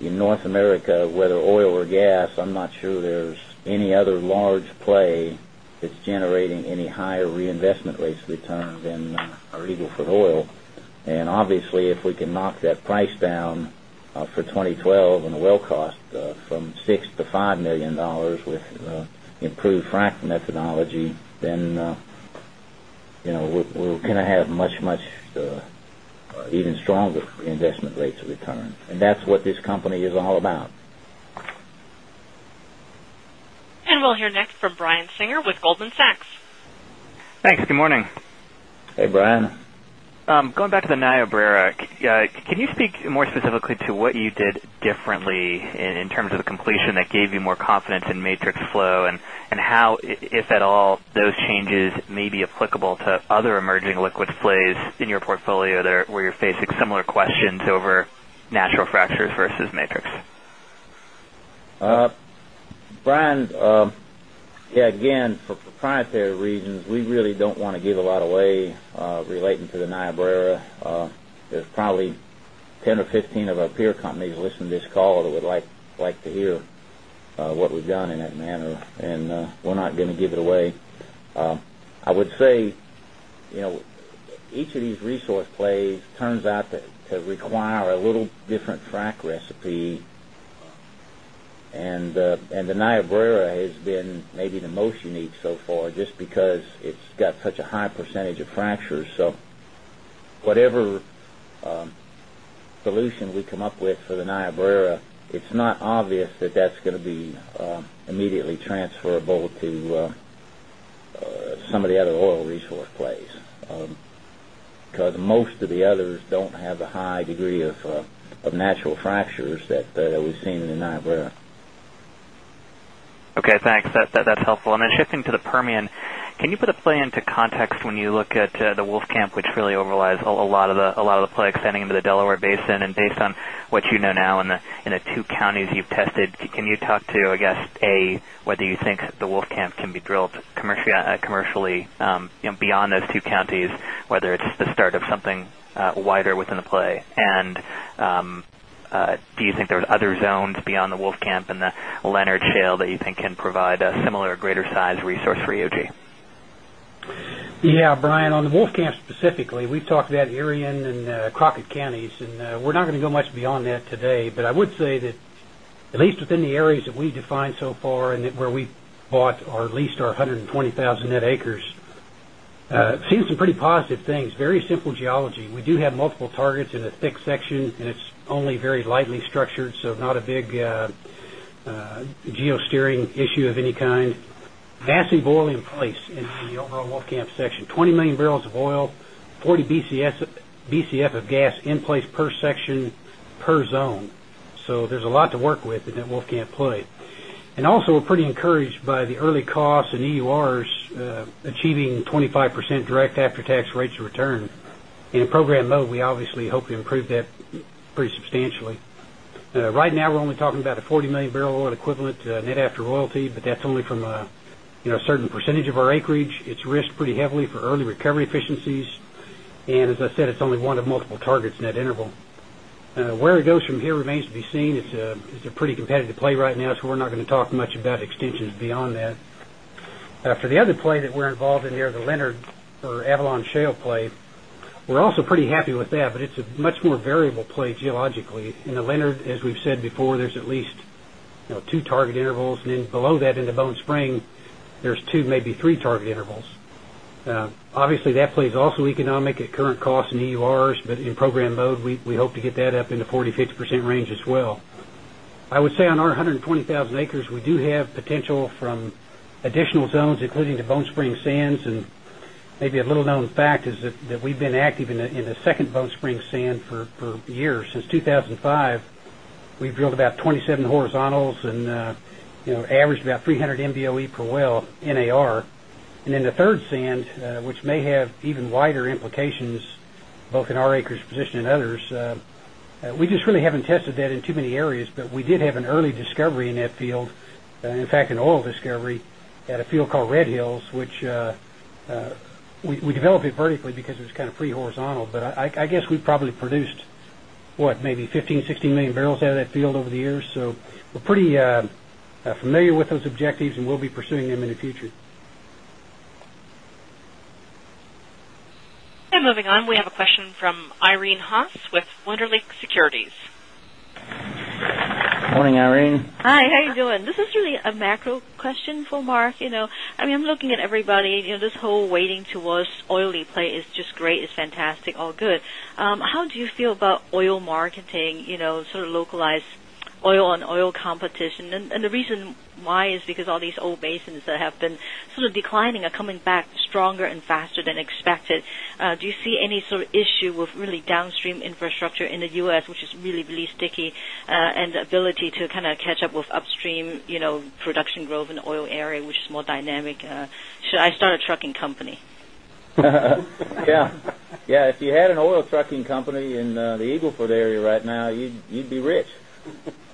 in North America, whether oil or gas, I'm not sure there's any other large play that's generating any higher reinvestment rates of return than our Eagle Ford And obviously, if we can knock that price down for 2012 and the well cost from $6,000,000 to $5,000,000 with improved frac methodology then we're going to have much, much even stronger investment rates of return. And that's what this company is all about. And we'll hear next from Brian Singer with Goldman Sachs. Thanks. Good morning. Hey, Brian. Going back to the Niobrara, can you speak more specifically to what you did differently in terms of the completion that gave you more confidence in matrix flow? And how, if at all, those changes may be applicable to other emerging liquid plays in your portfolio where you're facing similar questions over natural reasons, we really don't want to give a lot away relating to the Niobrara. There's probably 10 or 15 of our peer companies listen this call that would like to hear what we've done in that manner and we're not going to give it away. I would say each of these resource plays turns out to require a little different frac recipe and the Niobrara has been maybe the most unique so far just because it's got such a high percentage of fractures. So whatever solution we come up with for the Niobrara, it's not obvious that that's going to oil resource place, because most of the others don't have a high degree of natural fractures that we've seen in the Niobrara. Okay. Thanks. That's helpful. And then shifting to the Permian, can you put a play into context when you look at the Wolfcamp, which really overlies a lot of the play extending into the Delaware Basin and based on what you know now in the 2 counties you've tested, can you talk to, I guess, A, whether you think the Wolfcamp can be drilled commercially beyond those two counties, whether it's the start of something wider within the play? And do you think there's other zones beyond the Wolfcamp and the Leonard that you think can provide a similar greater size resource for EOG? Yes. Brian, on the Wolfcamp specifically, we've talked about Erie and Crockett Counties, and we're not going to go much beyond that today. But I would say that at least within the areas that we defined so far and where we bought or leased our 120,000 net acres, seen some pretty positive things, very simple geology. We do have multiple targets in a thick section and it's only very lightly structured, so not a big geo steering issue of any kind. Massive boil in place in the overall Wolfcamp section, 20,000,000 barrels of oil, 40 Bcf of gas in place per section per zone. So there's a lot to work with in that Wolfcamp play. And also we're pretty encouraged by the early costs and EURs achieving 25% direct after tax rates of return. In program mode, we obviously hope to improve that pretty substantially. Right now, we're only talking about a 40,000,000 barrel oil equivalent net after royalty, but that's only from a certain percentage of our acreage. It's risked pretty heavily for early recovery efficiencies. And as I said, it's only one of multiple targets in that interval. Where it goes from here remains to be seen. It's a pretty competitive play right now, so we're not going to talk much about extensions beyond that. For the other play that we're involved in here, the Leonard or Avalon Shale play, we're also pretty happy with that, but it's a much more variable play geologically. In the Leonard, as we've said before, there's at least 2 target intervals. And then below that in the Bone Spring, there's 2, maybe 3 target intervals. Obviously, that plays also economic at current costs and EURs, but in program mode, we hope to get that up in the 40%, 50% range as well. I would say on our 120,000 acres, we do have potential from additional zones including the Bone Spring sands and maybe a little known fact is that we've been active in the second Bone Spring sand for years since 2,005. We've drilled about 27 horizontals and averaged about 300 MBOE per well, NAR. And then the 3rd sand, which may have even wider implications, both in our acreage position and others, we just really haven't tested that in too many areas, but we did have an early discovery in that field, in fact, an oil discovery at a field called Red Hills, which we developed it vertically because it was kind of pretty horizontal. But I guess we probably produced what maybe 15,000,000, 16,000,000 barrels out of that field over the years. So we're pretty familiar with those objectives and we'll be pursuing them in the future. And moving on, we have a question from Irene Haas with Wunderlich Securities. Good morning, Irene. Hi. How you doing? This is really a macro question for Mark. I mean, I'm looking at everybody. This whole waiting towards oily play is just great, it's fantastic, all good. How do you feel about oil marketing, sort of localized oil on oil competition? And the reason why is because all these old basins that have been sort of declining are coming back stronger and faster than expected. Do you see any sort of issue with really downstream infrastructure in the U. S, which is really, really sticky and the ability to kind of catch up with upstream production growth in oil area, which is more dynamic? Should I start a trucking company? Yes. If you had an oil trucking company in the Eagle Ford area right now, you'd be rich.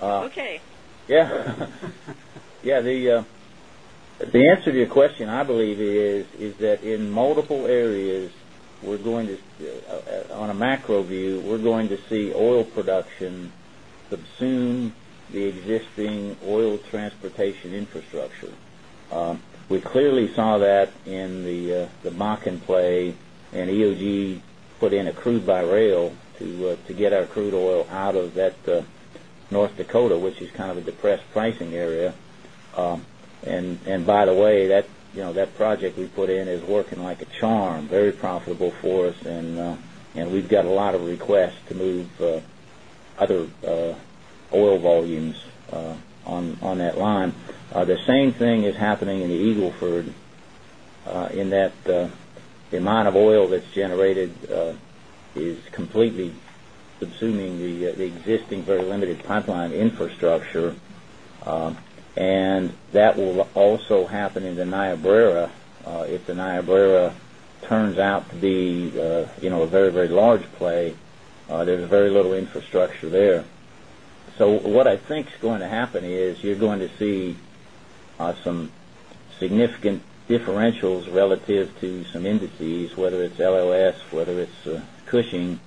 Okay. Yes. The answer to your question, I believe, is that in multiple areas, we're going to on a macro view, we're going to see oil production subsume the existing oil transportation infrastructure. We clearly saw that in the Bakken play and EOG put in a crude by rail to get our crude oil out of that North Dakota, which is kind of a depressed pricing area. And by the way, that project we put in is working like a charm, very profitable for us. And we've got a lot of requests to move other oil volumes on that line. The same thing is happening in the Eagle Ford in that the amount of oil that's generated is completely subsuming the existing very limited infrastructure. And that will also happen in the Niobrara. If the Niobrara turns out to be a very, very large play, there's very little infrastructure there. So, what I think is going to happen is you're going to see some significant differentials relative to some indices whether it's LOS, whether it's Cushing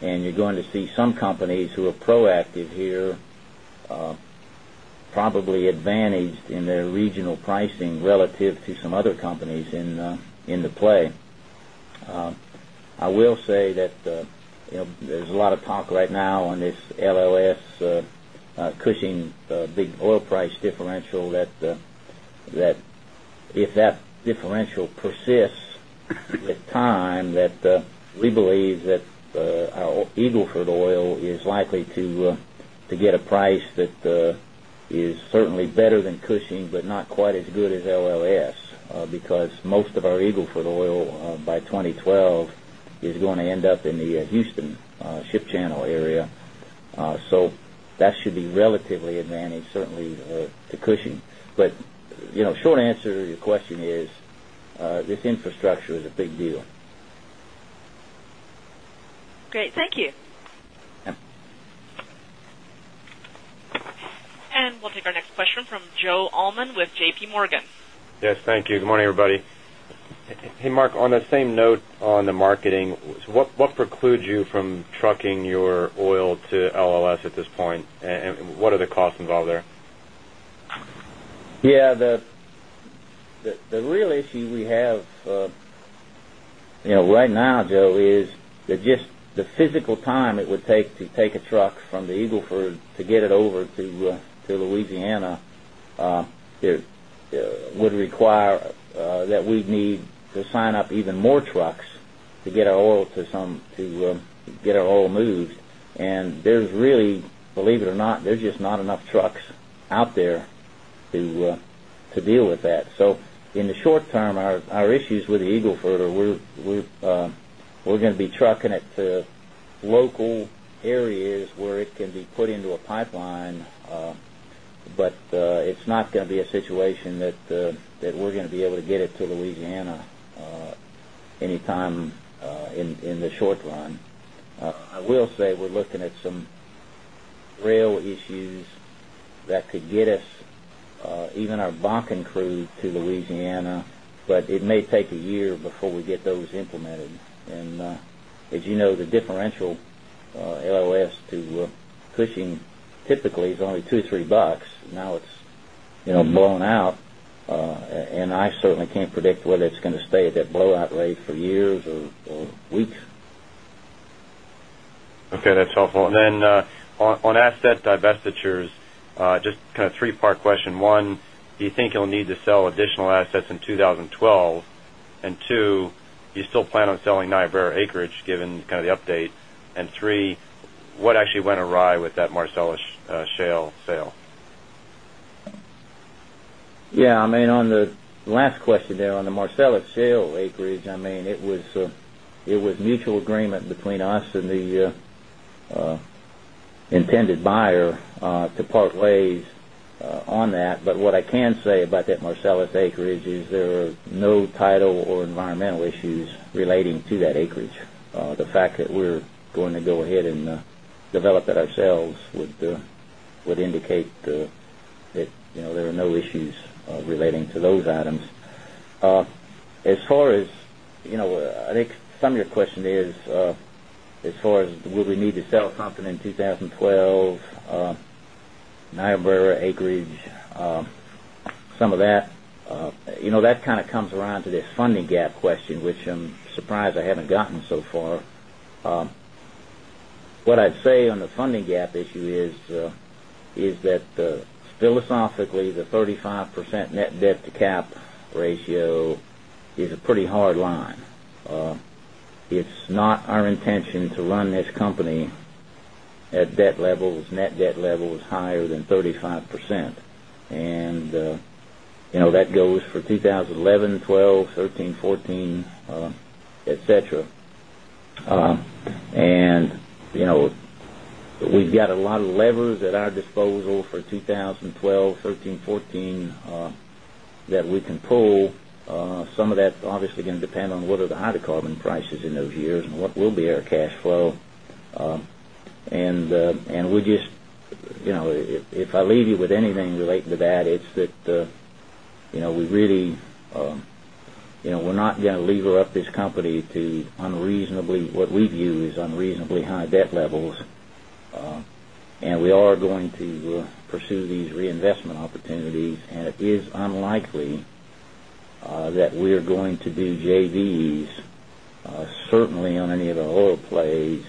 and you're going to see some companies who are proactive here probably advantaged in their regional pricing relative to some other companies in the play. I will say that there's a lot of talk right now on this LOS Cushing big oil price differential that if that differential persists with time that we believe that our Eagle Ford oil is likely to get a price that is certainly better than Cushing, but not quite as good as LLS, because most of our Eagle Ford oil by 2012 is going to end up in the Houston Ship Channel area. So that should be relatively advantaged certainly to Cushing. But short answer to your question is this infrastructure is a big deal. Great. Thank you. And we'll take our next question from Joe Allman with JPMorgan. Yes. Thank you. Good morning, everybody. Hey, Mark, on the same note on the marketing, what precludes you from trucking your oil to LLS at this point? What are the costs involved there? Yes. The real issue we have right now, Joe, is just the physical time it would take to take a truck from the Eagle Ford to get it over to Louisiana it would require that we need to sign up even more trucks to get our oil to some to get our oil moved. And there's really believe it or not, there's just not enough trucks out there to deal with that. So in the short term, our issues with the Eagle Ford are we're going to be trucking it to local areas where it can be areas where it can be put into a pipeline. But it's not going to be a situation that we're going to be able to get it to Louisiana anytime in the short run. I will say we're looking at some rail issues that could get us even our Bakken crew to Louisiana, but it may take a year before we get those implemented. And as you know, the differential LOS to Cushing typically is only $2 or $3 Now it's blown out. And I certainly can't predict whether it's going to stay at that blowout rate for years or weeks. Okay. That's helpful. And then on asset divestitures, just kind of 3 part question. 1, do you think you'll need to sell additional assets in 2012? And 2, do you still plan on selling Niobrara acreage given kind of the update? And 3, what actually went awry with that Marcellus Shale sale? Yes. I mean on the last question there on the Marcellus Shale Acreage, I mean it was mutual agreement between us and the intended buyer part ways on that. But what I can say about that Marcellus acreage is there are no title or environmental issues relating to that acreage. The fact that we're going to go ahead and develop that ourselves would indicate that there are no issues as far as will we need to sell something in 2012 Niobrara acreage some of that kind of comes around to this funding gap question, which I'm surprised I haven't gotten so far. What I'd say on the funding GAAP issue is that philosophically the 35% net debt to cap ratio is a pretty hard line. It's not our intention to run this company at debt levels, net debt levels higher than 35 percent. And that goes for 2011, 2012, 2013, 2014, etcetera. And we've got a lot of levers at our disposal for 2012, 2013, 2014 that we can pull. Some of that obviously going to depend on what are the hydrocarbon prices in those years and what will be our cash flow. Flow. And we just if I leave you with anything related to that, it's that we really we're not going to lever up this company to unreasonably what we view as unreasonably high debt levels. And we are going to pursue these reinvestment opportunities and it is unlikely that we are going to do JVs certainly on any of our oil plays.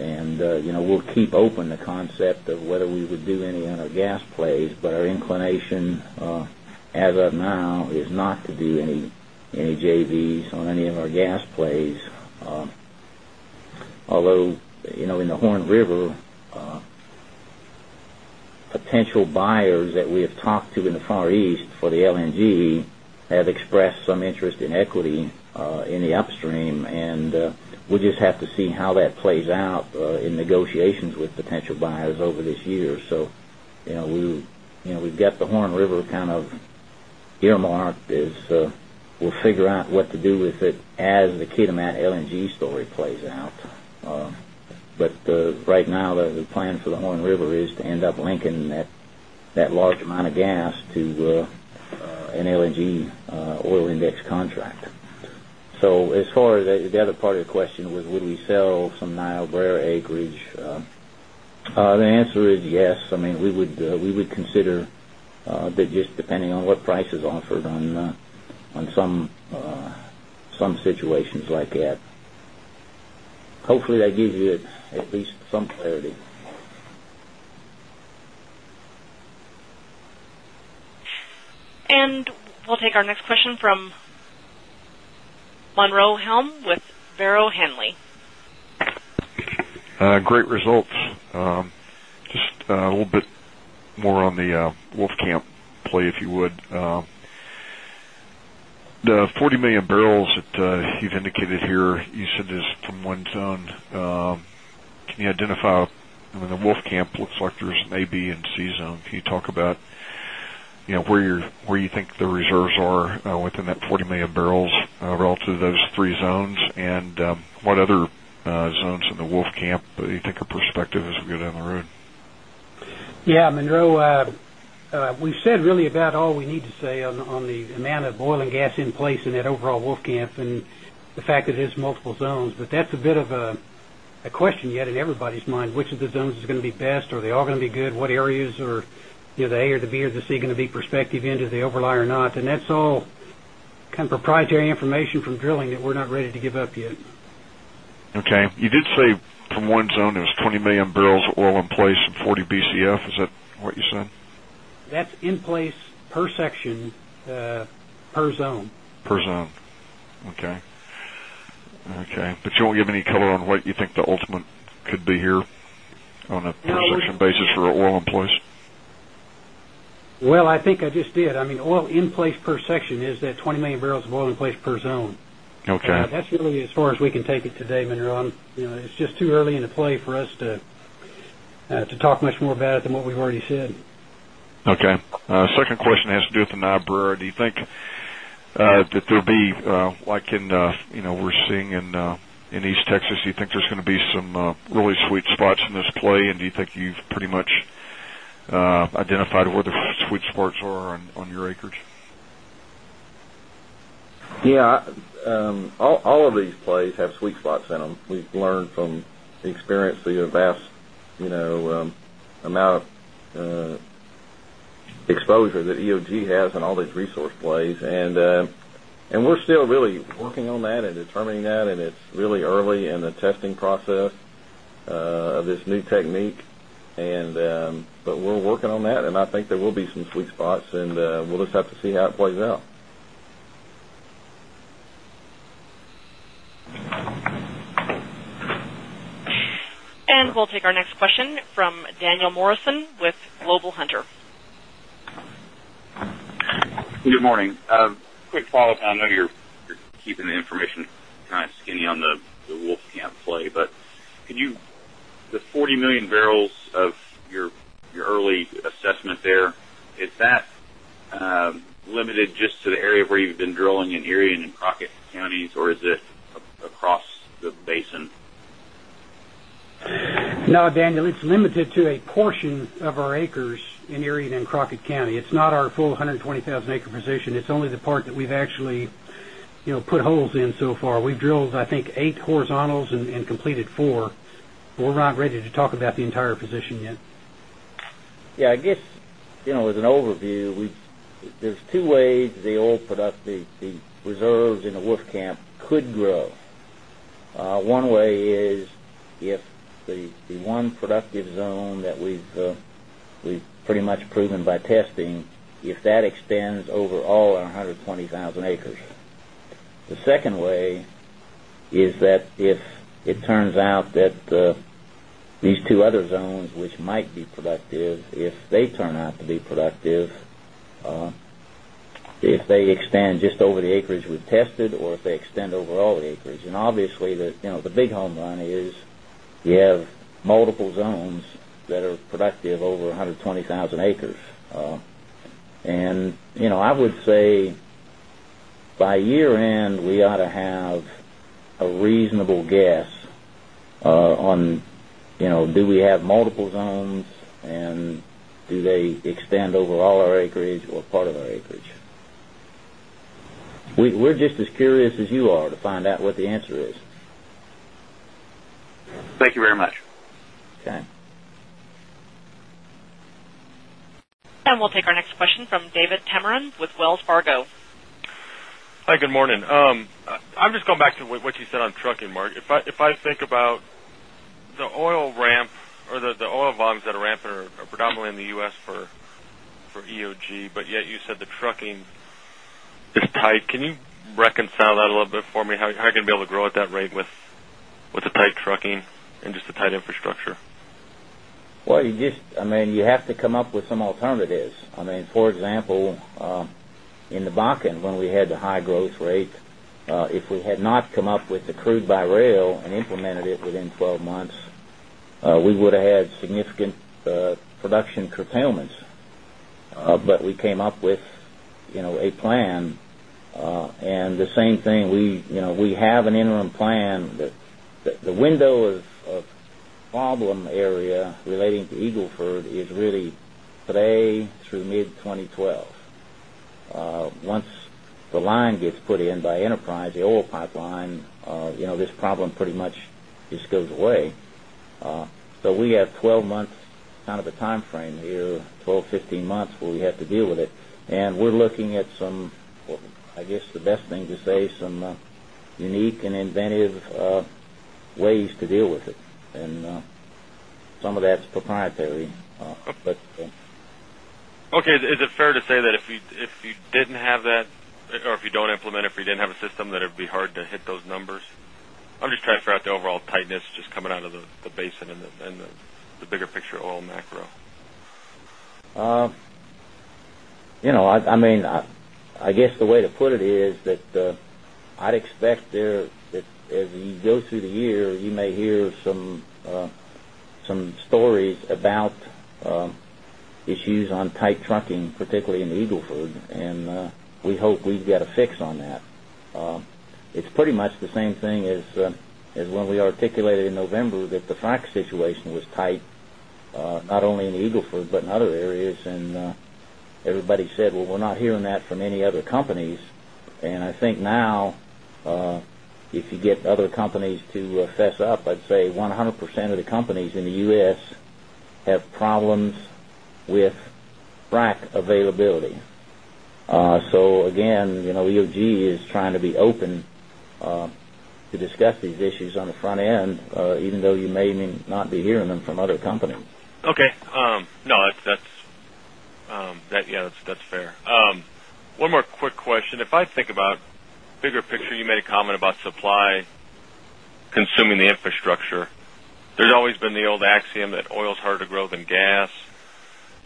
And we'll keep open on our gas plays, but our inclination as of now is not to do any JVs on any of our gas plays. Although in the Horn River, potential buyers that we have talked to in the Far East for the LNG have expressed some interest in equity in the upstream. And we'll just have to see how that plays out in negotiations with potential buyers over this year. So we've got the Horn River kind of earmarked as we'll figure out what to do with it as the Kitimat LNG story plays out. But right now the plan for the Horn River is to end up linking that large amount of gas to an LNG oil index contract. So as far as the other part of your question was, would we sell some Niobrara acreage? The answer is yes. I mean, we would consider that just depending on what price is offered on some situations like that. Hopefully, that gives you at least some clarity. And we'll take our next question from Monroe Helm with Vero Henley. Great results. Just a little bit more on the Wolfcamp play, if you would. The 40,000,000 barrels that you've indicated here, you said is from one zone. Can you identify the Wolfcamp look like there's maybe in C zone. Can you talk about where you think the reserves are within 40,000,000 barrels relative to those 3 zones? And what other zones in the Wolfcamp, you take a perspective we go down the road? Yes. Monroe, we said really about all we need to say on the amount of oil and gas in place in that overall Wolfcamp and the fact that there's multiple zones. But that's a bit of a question yet in everybody's mind, which of the zones is going to be best? Are they all going to be good? What areas are the A or the B or the C going to be perspective into the overlying or not? And that's all kind of proprietary information from drilling that we're not ready to give up yet. Okay. You did say from one zone, there's 20,000,000 barrels of oil in place and 40 Bcf, is that what you said? That's in place per section per zone. Per zone. Okay. Okay. But you won't give any color on what you think the ultimate could be here on a per section basis for oil in place? Well, I think I just did. I mean oil in place per section is that 20,000,000 barrels of oil in place per zone. Okay. That's really as far as we can take it today, Monroe. It's just too early in the play for us to talk much more about it than what we've already said. Okay. Second question has to do with the Niobrara. Do you think that there'll be like in we're seeing in East Texas, you think there's going to be some really sweet spots in this play? And do you think you've pretty much identified where the sweet spots are on your acreage? Yes. All of these plays have sweet spots in them. We've learned from the experience, the vast amount of exposure that EOG has on all these resource plays. And we're still really working on that and determining that and it's really early in the testing process of this new technique. And but we're working on that and I think there will be some sweet spots and we'll just have to see how it plays out. And we'll take our next information kind of skinny on the Wolfcamp play, but can you the 40,000,000 barrels of your early assessment there, is that limited just to the Crockett Counties or is it across the basin? No, Daniel, it's limited to a portion of our acres in Erie and 8 horizontals and completed 4. We're not ready to talk about the entire position yet. Yes. I guess, as an overview, there's 2 ways the old reserves in the Wolfcamp could grow. One overall 120,000 acres. The second way is that if it turns out that these two other zones which might be productive, if they turn out to be productive, if they extend just over the acreage we've tested or if they extend over all the acreage. And obviously, the big home run is you have multiple zones that are productive over 120,000 acres. And I would say by year end we ought to have a reasonable guess on do we have multiple zones and do they extend overall our acreage or part of our acreage. We're just as curious as you are to find out what the answer is. Thank you And we'll take our next question from David Tamarin with Wells Fargo. I'm just going back to what you said on trucking, Mark. If I think about the oil ramp or the oil volumes that are ramping are predominantly in the U. S. For EOG, but yet you said the trucking is tight. Can you reconcile that a little bit for me? How are you going to be able to grow at that rate with the tight trucking and just the tight infrastructure? Well, you just I mean, you have to come up with some alternatives. I mean, for example, in the Bakken, when we had the high growth rate, if we had not come up with the crude by rail and implemented it within 12 months, we would have had significant production curtailments, but we came up with a plan. And the same thing, we have an interim plan that the window of problem area relating to Eagle Ford is really today through mid-twenty 12. Once the line gets put in by enterprise, the oil pipeline, this problem pretty much just goes away. So we have 12 months kind of a timeframe here, 12, 15 months where we have to deal with it. And we're looking at some, I guess the best thing to say, some unique and inventive ways to deal with it. And some of that's proprietary. Okay. Is fair to say that if you didn't have that or if you don't implement, if you didn't have a system that it would be hard to hit those numbers? I'm just trying to figure out the overall tightness just coming out of the basin and the bigger picture oil macro. I mean, I guess the way to put it is that I'd expect there that as we go through the year, you may hear some stories about issues on tight trucking, particularly in Eagle Ford, and we hope we get a fix on that. It's pretty much the same thing as when we articulated in November that the frac situation was any other companies. And I think now if you get other companies to fess up, I'd say 100 percent of the companies in the U. S. Have problems with frac availability. So again, EOG is trying to be open to discuss these issues on the front end even though you may not be hearing them from other companies. Okay. No, that's fair. One more quick question. If I think about bigger picture, you made a comment about supply consuming the infrastructure. There's always been the old axiom that oil is harder to grow than gas.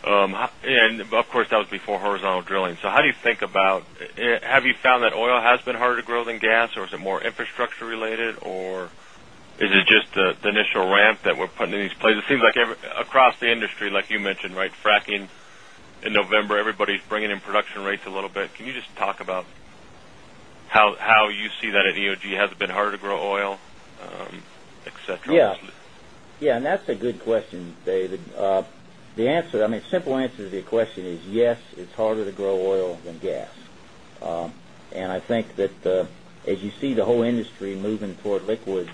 And of course that was before horizontal drilling. So how do you think about have you found that oil has been harder to grow than gas or is it more infrastructure related or is it just the initial ramp that we're putting in these places? It seems like across the industry like you mentioned, right, fracking in November, everybody's bringing in production rates a little bit. Can you just talk about how you see that at EOG has harder to grow oil, etcetera? Yes. And that's a good question, David. The answer I mean, simple answer to your question is, yes, it's harder to grow oil than gas. And I think that as you see the whole industry moving toward liquids,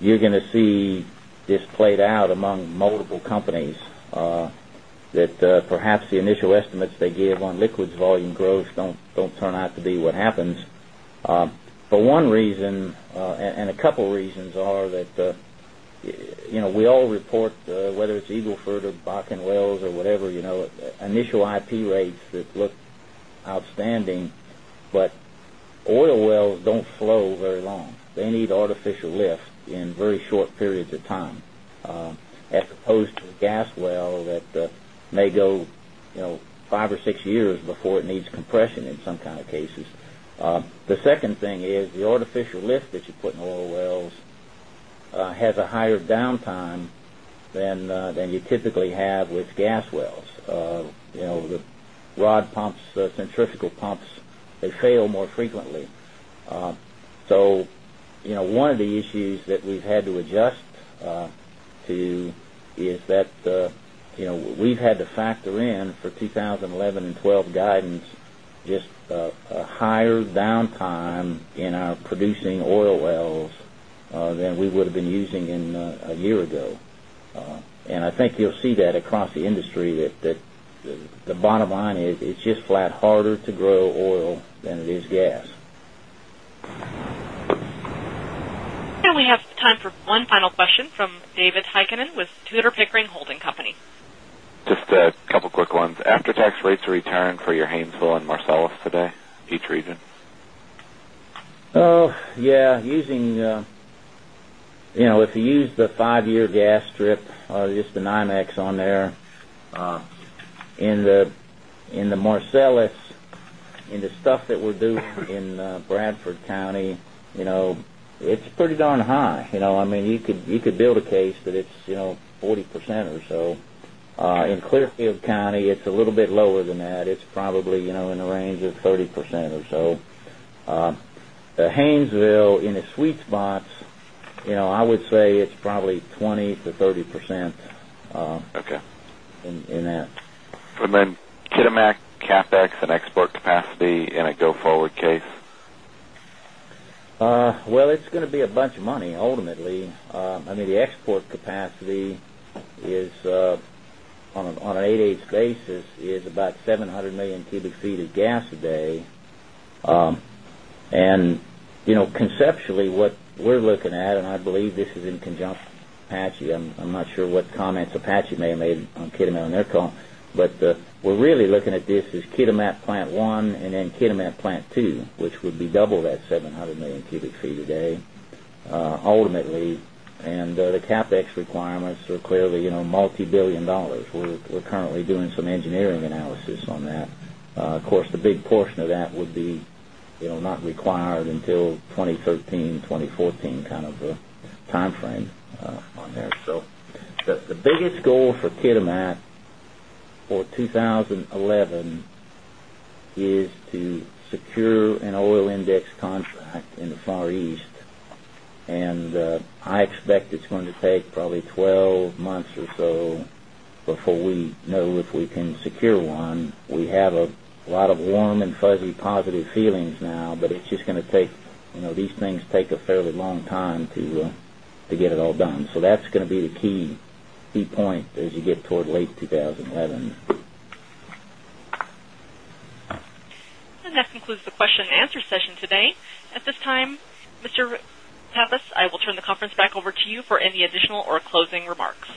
you're going to see this played out among multiple companies that perhaps the initial estimates they gave on liquids volume growth don't turn out to be what happens. For one reason and a couple of reasons are that we all report whether it's Eagle Ford or Bakken wells or whatever initial IP rates that look outstanding, but oil wells don't flow very They need artificial lift in very short periods of time as opposed to a gas well that may go 5 or 6 years before it needs compression in some kind of cases. The second thing is the artificial lift that you put in oil wells has a higher downtime than you typically have with gas wells. The rod pumps, centrifugal pumps, they fail more frequently. So one of the issues that we've had to adjust to is that we've had to factor in for 2011 and 2012 guidance just a higher downtime in our producing oil wells than we would have been using in a year ago. And I think you'll see that across the industry that the bottom line is it's just flat harder to grow oil than it is gas. And we have for one final question from David Heikkinen with Tudor Pickering Holding Company. Just a couple of quick ones. After tax rates return for your Haynesville and Marcellus today each region? Yes. Using if you use the 5 year gas strip, just NYMEX on there in the Marcellus and the stuff that we're doing in Bradford County, it's pretty darn high. I mean, you could build a case that it's 40% or so. In Clearfield County, it's a little bit lower than that. It's probably in the range of 30% or so. The Haynesville in the sweet spots, I would say it's probably 20% to 30% in that. And then Kitimak CapEx and export capacity in a go forward case? Well, it's going to be a bunch of money ultimately. I mean the export capacity is on an 8 inches basis is about 700,000,000 cubic feet of gas a day. And conceptually what we're looking at and I believe this is in conjunction with Apache. I'm not sure what comments may have made on Kitimat on their call. But we're really looking at this as Kitimat Plant 1 and then Kitimat Plant 2, which would double that 700,000,000 cubic feet a day. Ultimately, and the CapEx requirements are clearly multibillion dollars. We're currently doing some engineering analysis on that. Of course, the big portion of that would be not required until 2013, 2014 kind of a time frame on there. So the biggest goal for Kitimat for 2011 is to secure an oil index contract in the Far East. And I expect it's going to take probably 12 months or so before we know if we can secure one. We have a lot of warm and fuzzy positive feelings now, but it's just going to take these things take a fairly long time to get it all done. So that's going to be the key 2011. And that concludes the question and answer session today. At this time, Mr. Pappas, I will turn the conference back over to you for any additional or closing remarks.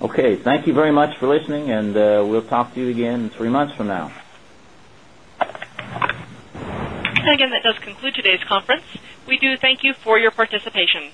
Okay. Thank you very much for listening and we'll talk to you again 3 months from now. And again, that does conclude today's conference. We do thank you for your participation.